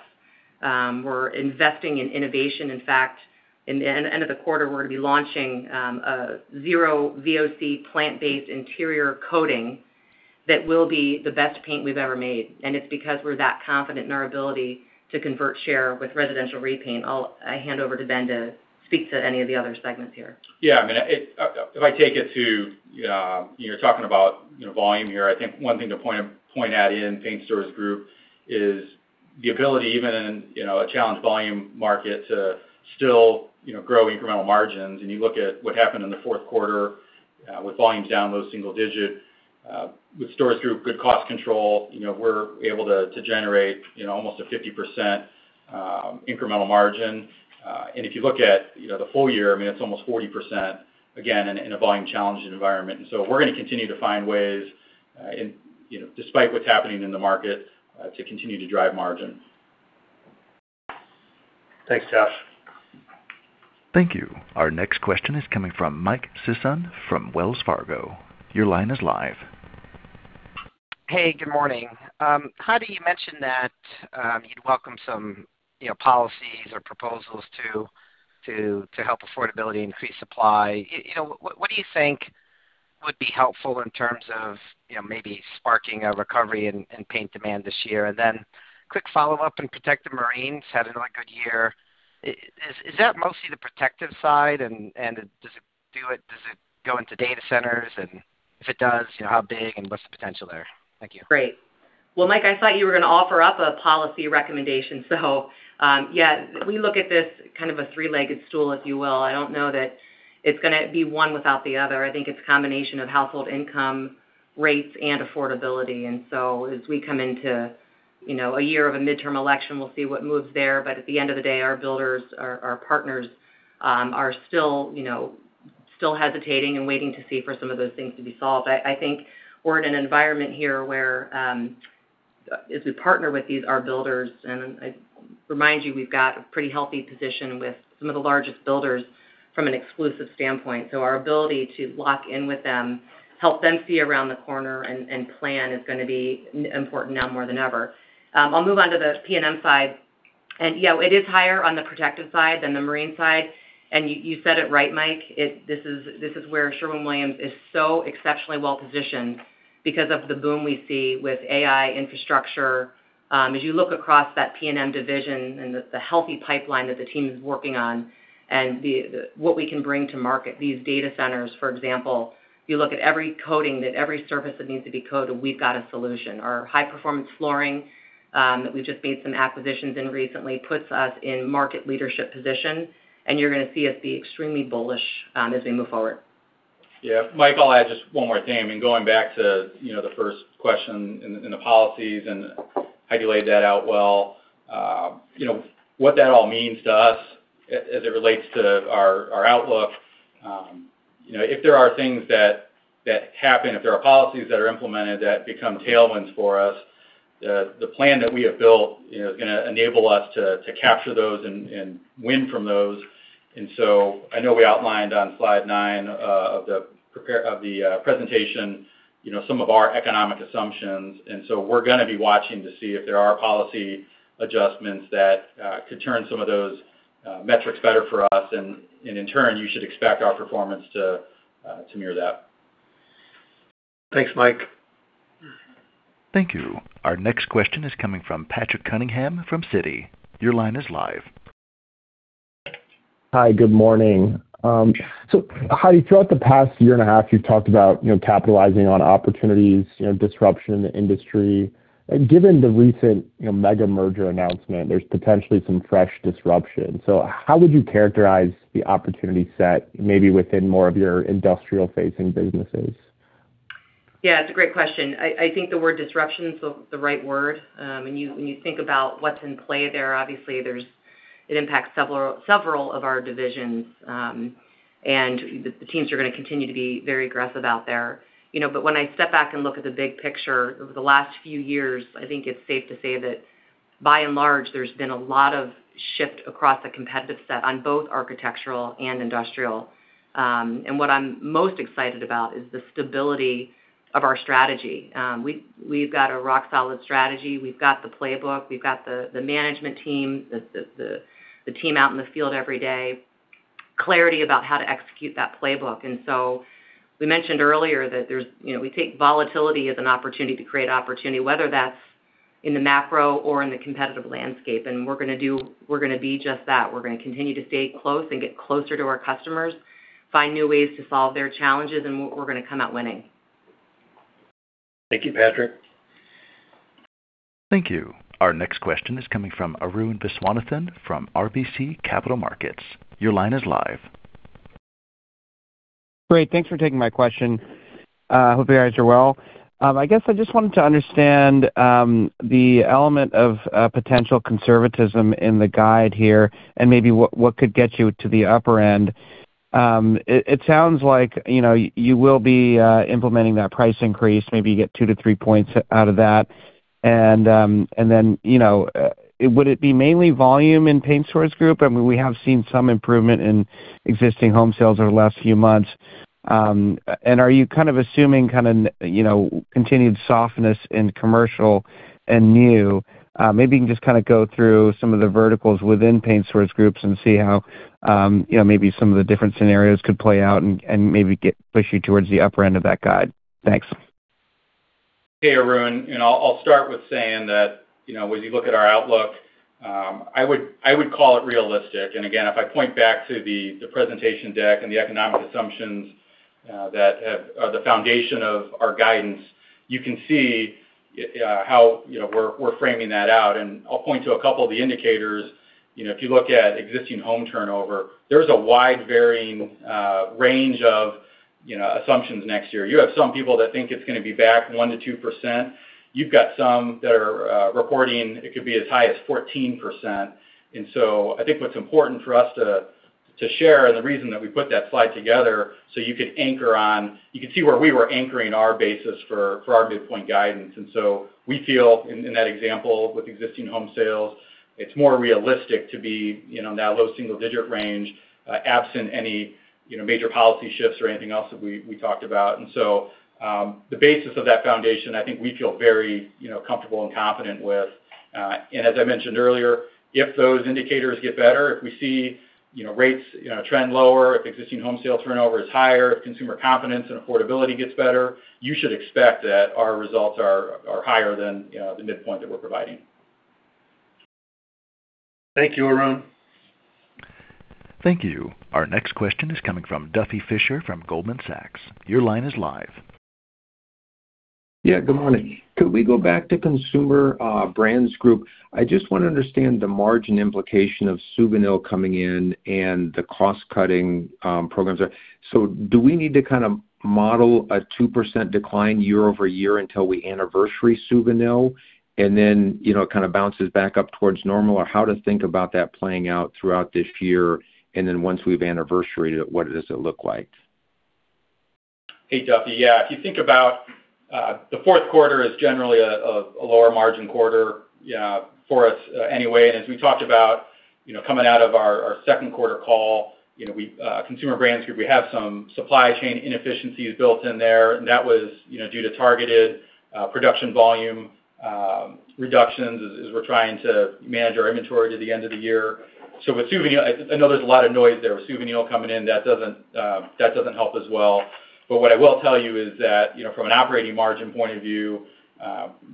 We're investing in innovation. In fact, in the end of the quarter, we're gonna be launching a zero VOC plant-based interior coating that will be the best paint we've ever made. And it's because we're that confident in our ability to convert share with Residential Repaint. I hand over to Ben to speak to any of the other segments here. Yeah, I mean, if I take it to, you know, talking about, you know, volume here, I think one thing to point at in Paint Stores Group is the ability, even in, you know, a challenged volume market, to still, you know, grow incremental margins. And you look at what happened in the fourth quarter, with volumes down low single digit, with through good cost control, you know, we're able to generate, you know, almost a 50% incremental margin. And if you look at, you know, the full year, I mean, it's almost 40%, again, in a volume challenged environment. And so we're gonna continue to find ways, in, you know, despite what's happening in the market, to continue to drive margin. Thanks, Josh. Thank you. Our next question is coming from Mike Sisson from Wells Fargo. Your line is live. Hey, good morning. How do you mention that you'd welcome some, you know, policies or proposals to, to, to help affordability increase supply? You know, what do you think would be helpful in terms of, you know, maybe sparking a recovery in, in paint demand this year? And then quick follow-up in Protective and Marine had another good year. Is that mostly the protective side, and does it go into data centers? And if it does, you know, how big and what's the potential there? Thank you. Great. Well, Mike, I thought you were gonna offer up a policy recommendation, so yeah, we look at this kind of a three-legged stool, if you will. I don't know that it's gonna be one without the other. I think it's a combination of household income, rates, and affordability. And so as we come into, you know, a year of a midterm election, we'll see what moves there. But at the end of the day, our builders, our partners, are still, you know, still hesitating and waiting to see for some of those things to be solved. I think we're in an environment here where, as we partner with these, our builders, and I remind you, we've got a pretty healthy position with some of the largest builders from an exclusive standpoint. So our ability to lock in with them, help them see around the corner and plan, is gonna be important now more than ever. I'll move on to the PNM side, and yeah, it is higher on the protective side than the marine side. And you said it right, Mike, it—this is where Sherwin-Williams is so exceptionally well positioned because of the boom we see with AI infrastructure. As you look across that PNM division and the healthy pipeline that the team is working on and what we can bring to market, these data centers, for example, if you look at every coating that every surface that needs to be coated, we've got a solution. Our high-performance flooring, that we've just made some acquisitions in recently, puts us in market leadership position, and you're gonna see us be extremely bullish, as we move forward. Yeah. Mike, I'll add just one more thing. I mean, going back to, you know, the first question in the politics, and Heidi laid that out well. You know, what that all means to us as it relates to our outlook, you know, if there are things that happen, if there are policies that are implemented that become tailwinds for us, the plan that we have built, you know, is gonna enable us to capture those and win from those. So I know we outlined on slide nine of the presentation, you know, some of our economic assumptions, and so we're gonna be watching to see if there are policy adjustments that could turn some of those metrics better for us, and in turn, you should expect our performance to mirror that. Thanks, Mike. Thank you. Our next question is coming from Patrick Cunningham from Citi. Your line is live. Hi, good morning. So Heidi, throughout the past year and a half, you've talked about, you know, capitalizing on opportunities, you know, disruption in the industry. And given the recent, you know, mega-merger announcement, there's potentially some fresh disruption. So how would you characterize the opportunity set, maybe within more of your industrial-facing businesses? Yeah, it's a great question. I think the word disruption is the right word. When you think about what's in play there, obviously there's it impacts several of our divisions. And the teams are gonna continue to be very aggressive out there. You know, but when I step back and look at the big picture over the last few years, I think it's safe to say that by and large, there's been a lot of shift across the competitive set on both architectural and industrial. And what I'm most excited about is the stability of our strategy. We've got a rock-solid strategy. We've got the playbook. We've got the management team, the team out in the field every day, clarity about how to execute that playbook. So we mentioned earlier that there's, you know, we take volatility as an opportunity to create opportunity, whether that's in the macro or in the competitive landscape. We're gonna be just that. We're gonna continue to stay close and get closer to our customers, find new ways to solve their challenges, and we're gonna come out winning. Thank you, Patrick. Thank you. Our next question is coming from Arun Viswanathan from RBC Capital Markets. Your line is live.... Great. Thanks for taking my question. Hope you guys are well. I guess I just wanted to understand the element of potential conservatism in the guide here and maybe what, what could get you to the upper end. It sounds like, you know, you will be implementing that price increase, maybe get 2-3 points out of that. And then, you know, would it be mainly volume in Paint Stores Group? I mean, we have seen some improvement in existing home sales over the last few months. And are you kind of assuming kind of, you know, continued softness in commercial and new? Maybe you can just kind of go through some of the verticals within Paint Stores Group and see how, you know, maybe some of the different scenarios could play out and maybe push you towards the upper end of that guide. Thanks. Hey, Arun. You know, I'll start with saying that, you know, when you look at our outlook, I would call it realistic. And again, if I point back to the presentation deck and the economic assumptions that have the foundation of our guidance, you can see how, you know, we're framing that out. And I'll point to a couple of the indicators. You know, if you look at existing home turnover, there's a wide varying range of assumptions next year. You have some people that think it's going to be back 1%-2%. You've got some that are reporting it could be as high as 14%. And so I think what's important for us to share and the reason that we put that slide together, so you could anchor on—you could see where we were anchoring our basis for our midpoint guidance. And so we feel in that example, with existing home sales, it's more realistic to be, you know, in that low single digit range, absent any, you know, major policy shifts or anything else that we talked about. And so, the basis of that foundation, I think we feel very, you know, comfortable and confident with. And as I mentioned earlier, if those indicators get better, if we see, you know, rates, you know, trend lower, if existing home sales turnover is higher, if consumer confidence and affordability gets better, you should expect that our results are higher than the midpoint that we're providing. Thank you, Arun. Thank you. Our next question is coming from Duffy Fischer from Goldman Sachs. Your line is live. Yeah, good morning. Could we go back to Consumer Brands Group? I just want to understand the margin implication of Suvinil coming in and the cost-cutting programs. So do we need to kind of model a 2% decline year-over-year until we anniversary Suvinil, and then, you know, it kind of bounces back up towards normal? Or how to think about that playing out throughout this year, and then once we've anniversaried it, what does it look like? Hey, Duffy. Yeah, if you think about, the fourth quarter is generally a lower margin quarter, for us anyway. And as we talked about, you know, coming out of our second quarter call, you know, we, Consumer Brands Group, we have some supply chain inefficiencies built in there, and that was, you know, due to targeted, production volume, reductions as, as we're trying to manage our inventory to the end of the year. So with Suvinil, I know there's a lot of noise there. With Suvinil coming in, that doesn't, that doesn't help as well. But what I will tell you is that, you know, from an operating margin point of view,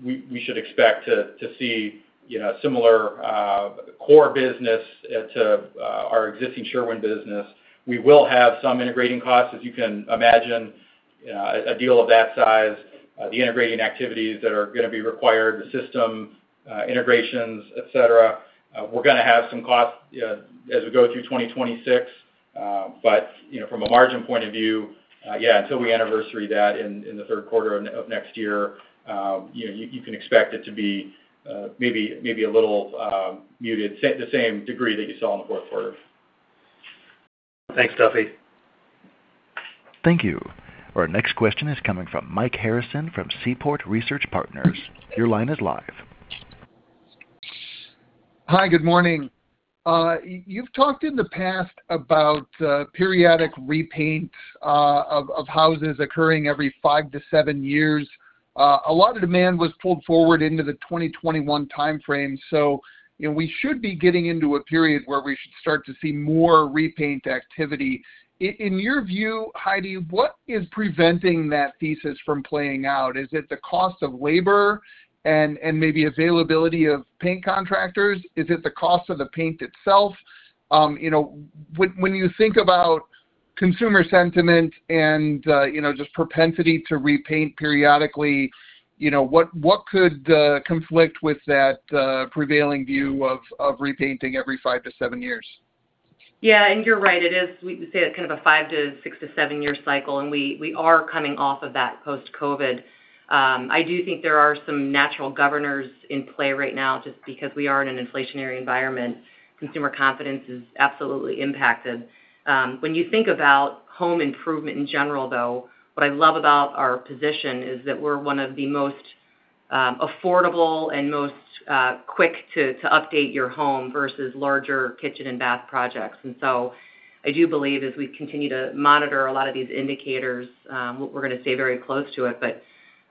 we should expect to see, you know, similar, core business, to our existing Sherwin business. We will have some integrating costs. As you can imagine, a deal of that size, the integrating activities that are going to be required, the system, integrations, et cetera, we're going to have some costs, as we go through 2026. But, you know, from a margin point of view, yeah, until we anniversary that in, in the third quarter of of next year, you know, you, you can expect it to be, maybe, maybe a little, muted, the same degree that you saw in the fourth quarter. Thanks, Duffy. Thank you. Our next question is coming from Mike Harrison from Seaport Research Partners. Your line is live. Hi, good morning. You've talked in the past about periodic repaints of houses occurring every five to seven years. A lot of demand was pulled forward into the 2021 timeframe, so, you know, we should be getting into a period where we should start to see more repaint activity. In your view, Heidi, what is preventing that thesis from playing out? Is it the cost of labor and maybe availability of paint contractors? Is it the cost of the paint itself? You know, when you think about consumer sentiment and, you know, just propensity to repaint periodically, you know, what could conflict with that prevailing view of repainting every five to seven years? Yeah, and you're right, it is, we say, a kind of a five to six to seven year cycle, and we are coming off of that post-COVID. I do think there are some natural governors in play right now, just because we are in an inflationary environment. Consumer confidence is absolutely impacted. When you think about home improvement in general, though, what I love about our position is that we're one of the most affordable and most quick to update your home versus larger kitchen and bath projects. And so I do believe as we continue to monitor a lot of these indicators, we're going to stay very close to it, but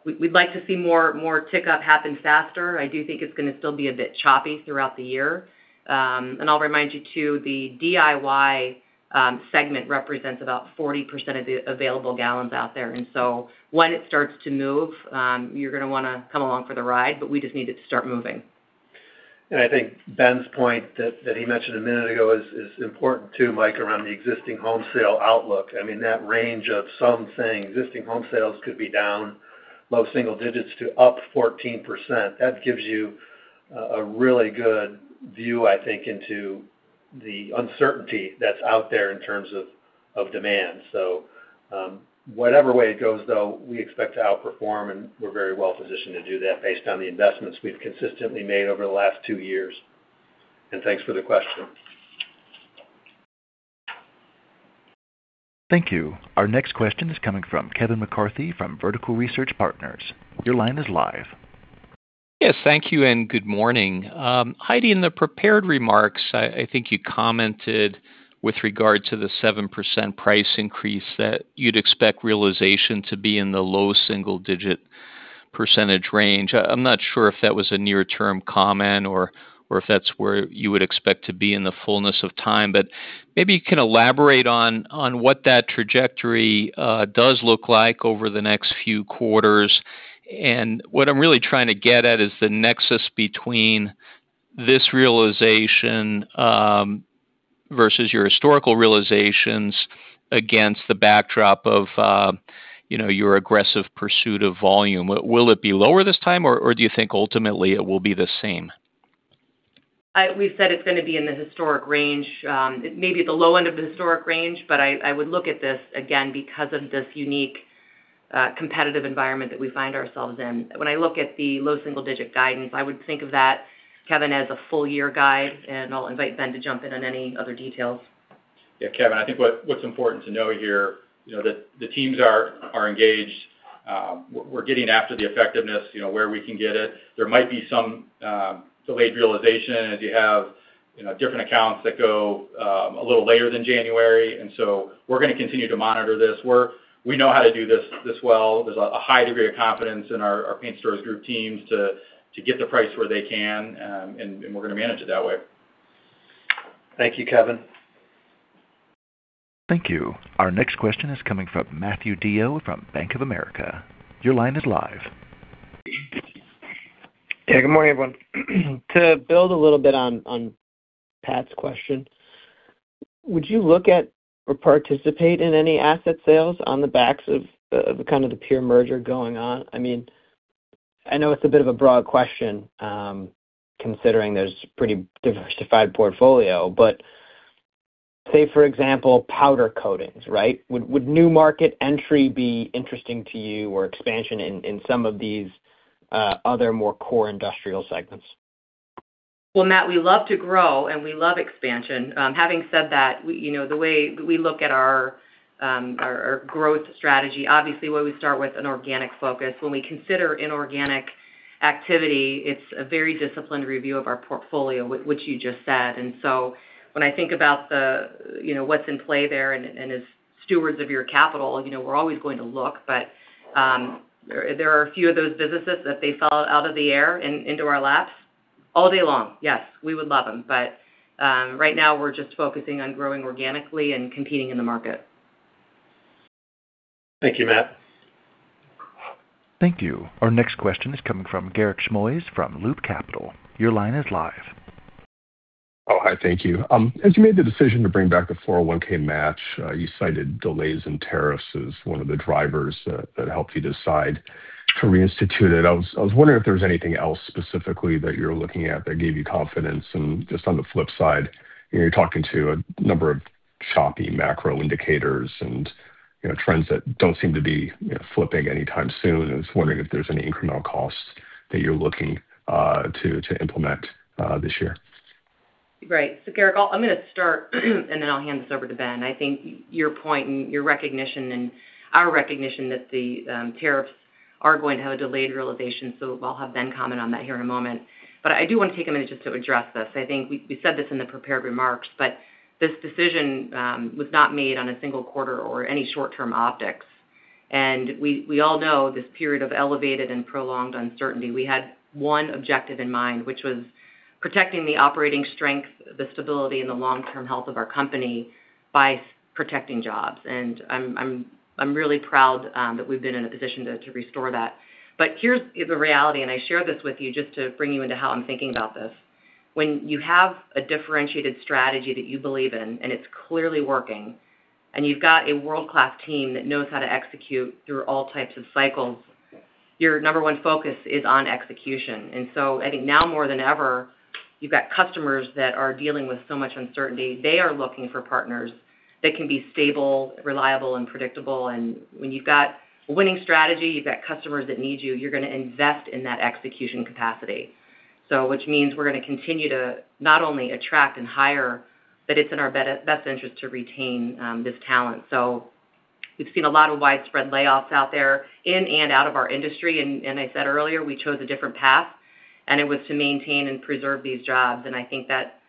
we'd like to see more tick up happen faster. I do think it's going to still be a bit choppy throughout the year. I'll remind you, too, the DIY segment represents about 40% of the available gallons out there, and so when it starts to move, you're going to want to come along for the ride, but we just need it to start moving. I think Ben's point that he mentioned a minute ago is important too, Mike, around the existing home sale outlook. I mean, that range of some saying existing home sales could be down... low single digits to up 14%, that gives you a really good view, I think, into the uncertainty that's out there in terms of demand. So, whatever way it goes, though, we expect to outperform, and we're very well positioned to do that based on the investments we've consistently made over the last two years. And thanks for the question. Thank you. Our next question is coming from Kevin McCarthy from Vertical Research Partners. Your line is live. Yes, thank you, and good morning. Heidi, in the prepared remarks, I, I think you commented with regard to the 7% price increase that you'd expect realization to be in the low single-digit % range. I, I'm not sure if that was a near-term comment or, or if that's where you would expect to be in the fullness of time, but maybe you can elaborate on, on what that trajectory does look like over the next few quarters. And what I'm really trying to get at is the nexus between this realization versus your historical realizations against the backdrop of, you know, your aggressive pursuit of volume. Will it be lower this time, or, or do you think ultimately it will be the same? We've said it's gonna be in the historic range, maybe at the low end of the historic range, but I would look at this again because of this unique competitive environment that we find ourselves in. When I look at the low single-digit guidance, I would think of that, Kevin, as a full-year guide, and I'll invite Ben to jump in on any other details. Yeah, Kevin, I think what's important to know here, you know, that the teams are engaged. We're getting after the effectiveness, you know, where we can get it. There might be some delayed realization as you have different accounts that go a little later than January, and so we're gonna continue to monitor this. We know how to do this well. There's a high degree of confidence in our Paint Stores Group teams to get the price where they can, and we're gonna manage it that way. Thank you, Kevin. Thank you. Our next question is coming from Matthew DeYoe from Bank of America. Your line is live. Yeah, good morning, everyone. To build a little bit on Pat's question, would you look at or participate in any asset sales on the backs of the kind of the peer merger going on? I mean, I know it's a bit of a broad question, considering there's a pretty diversified portfolio, but say, for example, powder coatings, right? Would new market entry be interesting to you or expansion in some of these other more core industrial segments? Well, Matt, we love to grow, and we love expansion. Having said that, you know, the way we look at our our growth strategy, obviously, where we start with an organic focus. When we consider inorganic activity, it's a very disciplined review of our portfolio, which you just said. And so when I think about the, you know, what's in play there and as stewards of your capital, you know, we're always going to look, but, there are a few of those businesses that they fell out of the air and into our laps, all day long, yes, we would love them. But, right now we're just focusing on growing organically and competing in the market. Thank you, Matt. Thank you. Our next question is coming from Garik Shmois from Loop Capital. Your line is live. Oh, hi. Thank you. As you made the decision to bring back the 401(k) match, you cited delays in tariffs as one of the drivers that helped you decide to reinstitute it. I was wondering if there was anything else specifically that you're looking at that gave you confidence. And just on the flip side, you're talking to a number of choppy macro indicators and, you know, trends that don't seem to be flipping anytime soon. I was wondering if there's any incremental costs that you're looking to implement this year. Right. So, Garik, I'll, I'm gonna start, and then I'll hand this over to Ben. I think your point and your recognition and our recognition that the tariffs are going to have a delayed realization, so I'll have Ben comment on that here in a moment. But I do want to take a minute just to address this. I think we said this in the prepared remarks, but this decision was not made on a single quarter or any short-term optics. And we all know this period of elevated and prolonged uncertainty, we had one objective in mind, which was protecting the operating strength, the stability and the long-term health of our company by protecting jobs. And I'm really proud that we've been in a position to restore that. But here's the reality, and I share this with you just to bring you into how I'm thinking about this. When you have a differentiated strategy that you believe in, and it's clearly working, and you've got a world-class team that knows how to execute through all types of cycles, your number one focus is on execution. And so I think now more than ever, you've got customers that are dealing with so much uncertainty. They are looking for partners that can be stable, reliable, and predictable. And when you've got a winning strategy, you've got customers that need you, you're gonna invest in that execution capacity. So which means we're gonna continue to not only attract and hire, but it's in our best interest to retain this talent. So we've seen a lot of widespread layoffs out there in and out of our industry. And I said earlier, we chose a different path, and it was to maintain and preserve these jobs. And I think that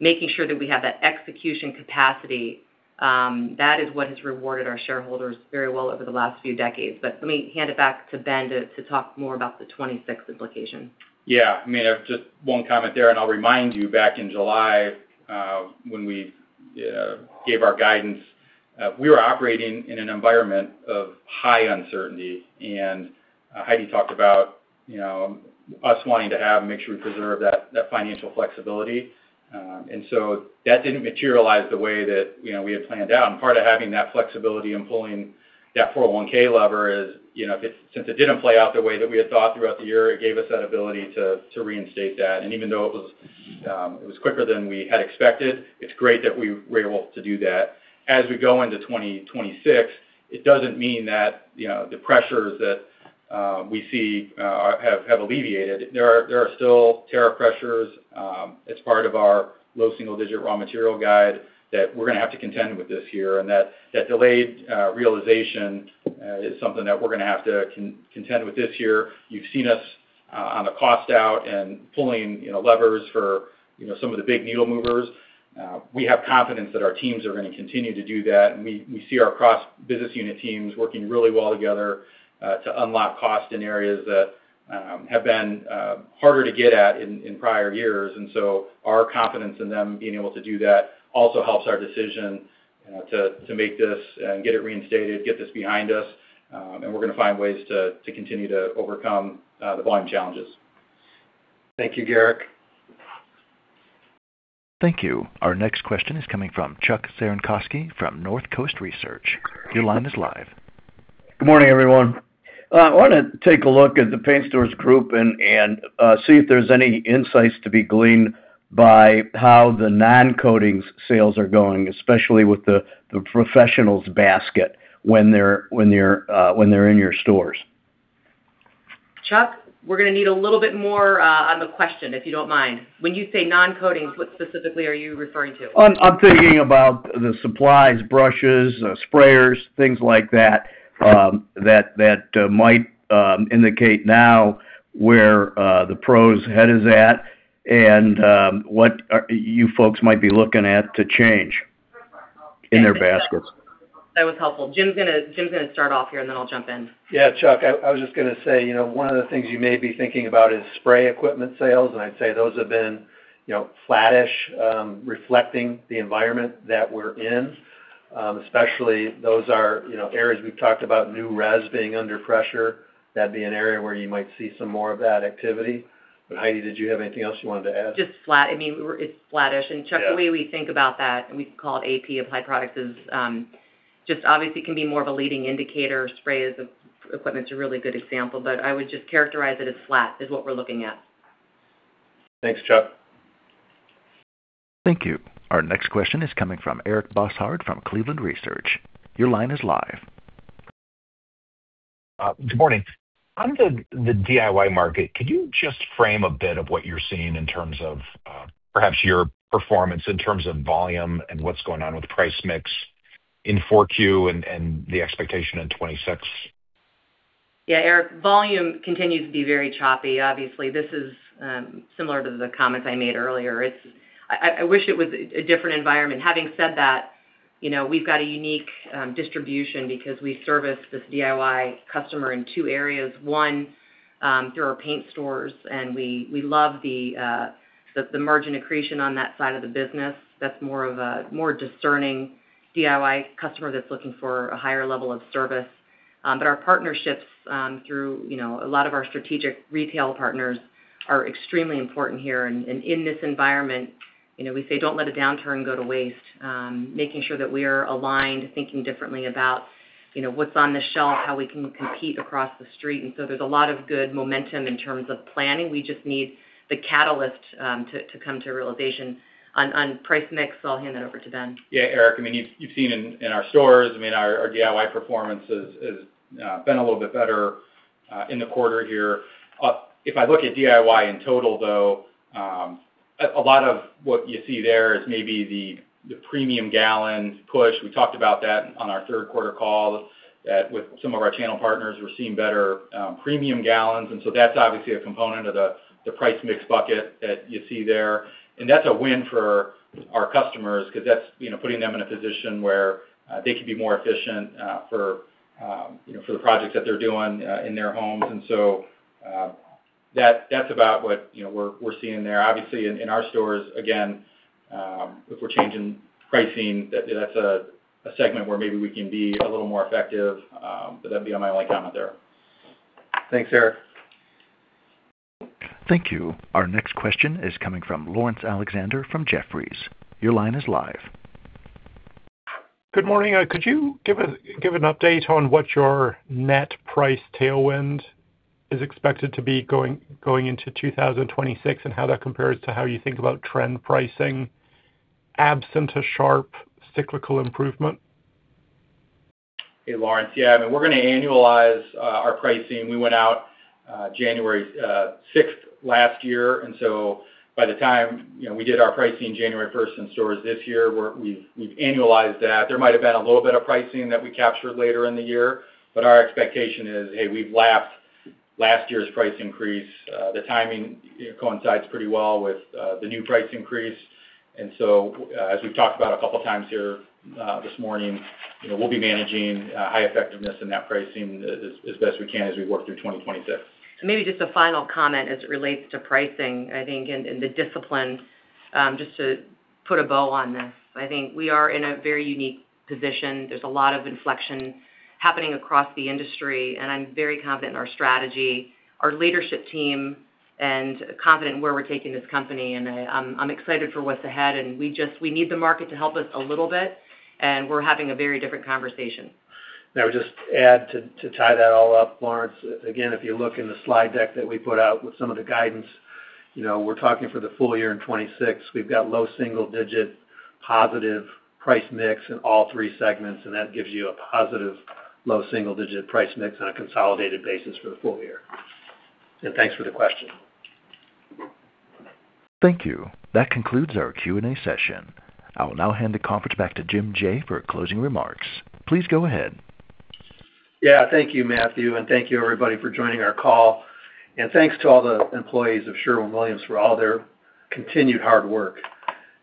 making sure that we have that execution capacity, that is what has rewarded our shareholders very well over the last few decades. But let me hand it back to Ben to talk more about the 2026 implication. Yeah, I mean, just one comment there, and I'll remind you, back in July, when we gave our guidance, we were operating in an environment of high uncertainty. And Heidi talked about you know, us wanting to have and make sure we preserve that financial flexibility. And so that didn't materialize the way that, you know, we had planned out. And part of having that flexibility and pulling that 401(k) lever is, you know, if it since it didn't play out the way that we had thought throughout the year, it gave us that ability to reinstate that. And even though it was quicker than we had expected, it's great that we were able to do that. As we go into 2026, it doesn't mean that, you know, the pressures that we see have alleviated. There are still tariff pressures. It's part of our low single digit raw material guide that we're going to have to contend with this year, and that delayed realization is something that we're going to have to contend with this year. You've seen us on the cost out and pulling, you know, levers for, you know, some of the big needle movers. We have confidence that our teams are going to continue to do that. We see our cross business unit teams working really well together to unlock cost in areas that have been harder to get at in prior years. And so our confidence in them being able to do that also helps our decision to make this and get it reinstated, get this behind us, and we're going to find ways to continue to overcome the volume challenges. Thank you, Garik. Thank you. Our next question is coming from Chuck Cerankosky from Northcoast Research. Your line is live. Good morning, everyone. I want to take a look at the Paint Stores Group and see if there's any insights to be gleaned by how the non-coatings sales are going, especially with the professionals basket when they're in your stores. Chuck, we're going to need a little bit more, on the question, if you don't mind. When you say non-coatings, what specifically are you referring to? I'm thinking about the supplies, brushes, sprayers, things like that, that might indicate now where the pros' head is at and what you folks might be looking at to change in their baskets. That was helpful. Jim's gonna start off here, and then I'll jump in. Yeah, Chuck, I was just gonna say, you know, one of the things you may be thinking about is spray equipment sales, and I'd say those have been, you know, flattish, reflecting the environment that we're in. Especially those are, you know, areas we've talked about, new res being under pressure. That'd be an area where you might see some more of that activity. But, Heidi, did you have anything else you wanted to add? Just flat. I mean, it's flattish. Yeah. And, Chuck, the way we think about that, and we call it AP applied products, is just obviously can be more of a leading indicator. Spray as an equipment is a really good example, but I would just characterize it as flat, is what we're looking at. Thanks, Chuck. Thank you. Our next question is coming from Eric Bosshard from Cleveland Research. Your line is live. Good morning. On the DIY market, could you just frame a bit of what you're seeing in terms of, perhaps your performance, in terms of volume and what's going on with price mix in Q4 and the expectation in 2026? Yeah, Eric, volume continues to be very choppy. Obviously, this is similar to the comments I made earlier. It's. I wish it was a different environment. Having said that, you know, we've got a unique distribution because we service this DIY customer in two areas, one through our paint stores, and we love the margin accretion on that side of the business. That's more of a discerning DIY customer that's looking for a higher level of service. But our partnerships through, you know, a lot of our strategic retail partners are extremely important here. And in this environment, you know, we say, "Don't let a downturn go to waste." Making sure that we are aligned, thinking differently about, you know, what's on the shelf, how we can compete across the street. And so there's a lot of good momentum in terms of planning. We just need the catalyst to come to realization. On price mix, I'll hand it over to Ben. Yeah, Eric, I mean, you've seen in our stores, I mean, our DIY performance has been a little bit better in the quarter here. If I look at DIY in total, though, a lot of what you see there is maybe the premium gallon push. We talked about that on our third quarter call with some of our channel partners. We're seeing better premium gallons, and so that's obviously a component of the price mix bucket that you see there. And that's a win for our customers because that's, you know, putting them in a position where they can be more efficient for, you know, for the projects that they're doing in their homes. And so that's about what, you know, we're seeing there. Obviously, in our stores, again, if we're changing pricing, that's a segment where maybe we can be a little more effective, but that'd be my only comment there. Thanks, Eric. Thank you. Our next question is coming from Laurence Alexander from Jefferies. Your line is live. Good morning. Could you give an update on what your net price tailwind is expected to be going into 2026, and how that compares to how you think about trend pricing, absent a sharp cyclical improvement? Hey, Laurence. Yeah, I mean, we're going to annualize our pricing. We went out January 6th last year, and so by the time, you know, we did our pricing January 1st in stores this year, we've annualized that. There might have been a little bit of pricing that we captured later in the year, but our expectation is, hey, we've lapped last year's price increase. The timing, you know, coincides pretty well with the new price increase. And so, as we've talked about a couple of times here this morning, you know, we'll be managing high effectiveness in that pricing as best we can as we work through 2026. So maybe just a final comment as it relates to pricing, I think, and the discipline, just to put a bow on this. I think we are in a very unique position. There's a lot of inflection happening across the industry, and I'm very confident in our strategy, our leadership team, and confident in where we're taking this company. And I, I'm excited for what's ahead, and we just—we need the market to help us a little bit, and we're having a very different conversation. I would just add to tie that all up, Lawrence, again, if you look in the slide deck that we put out with some of the guidance, you know, we're talking for the full year in 2026, we've got low single digit positive price mix in all three segments, and that gives you a positive low single digit price mix on a consolidated basis for the full year. Thanks for the question. Thank you. That concludes our Q&A session. I will now hand the conference back to Jim Jaye for closing remarks. Please go ahead. Yeah, thank you, Matthew, and thank you, everybody, for joining our call. Thanks to all the employees of Sherwin-Williams for all their continued hard work.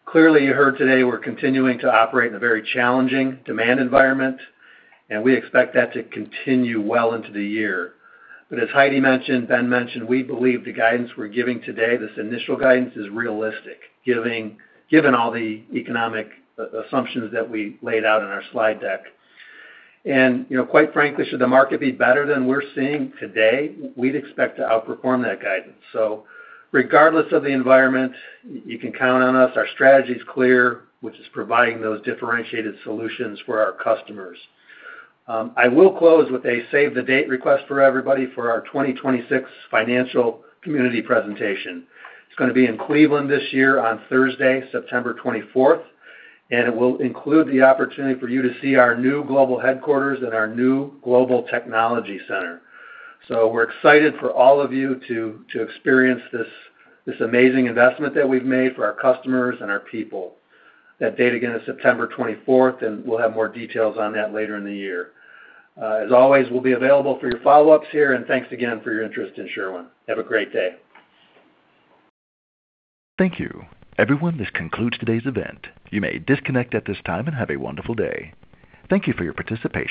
Clearly, you heard today we're continuing to operate in a very challenging demand environment, and we expect that to continue well into the year. But as Heidi mentioned, Ben mentioned, we believe the guidance we're giving today, this initial guidance, is realistic, given all the economic assumptions that we laid out in our slide deck. And, you know, quite frankly, should the market be better than we're seeing today, we'd expect to outperform that guidance. So regardless of the environment, you can count on us. Our strategy is clear, which is providing those differentiated solutions for our customers. I will close with a save-the-date request for everybody for our 2026 financial community presentation. It's gonna be in Cleveland this year on Thursday, September 24th, and it will include the opportunity for you to see our new global headquarters and our new global technology center. So we're excited for all of you to, to experience this, this amazing investment that we've made for our customers and our people. That date, again, is September 24th, and we'll have more details on that later in the year. As always, we'll be available for your follow-ups here, and thanks again for your interest in Sherwin. Have a great day. Thank you. Everyone, this concludes today's event. You may disconnect at this time and have a wonderful day. Thank you for your participation.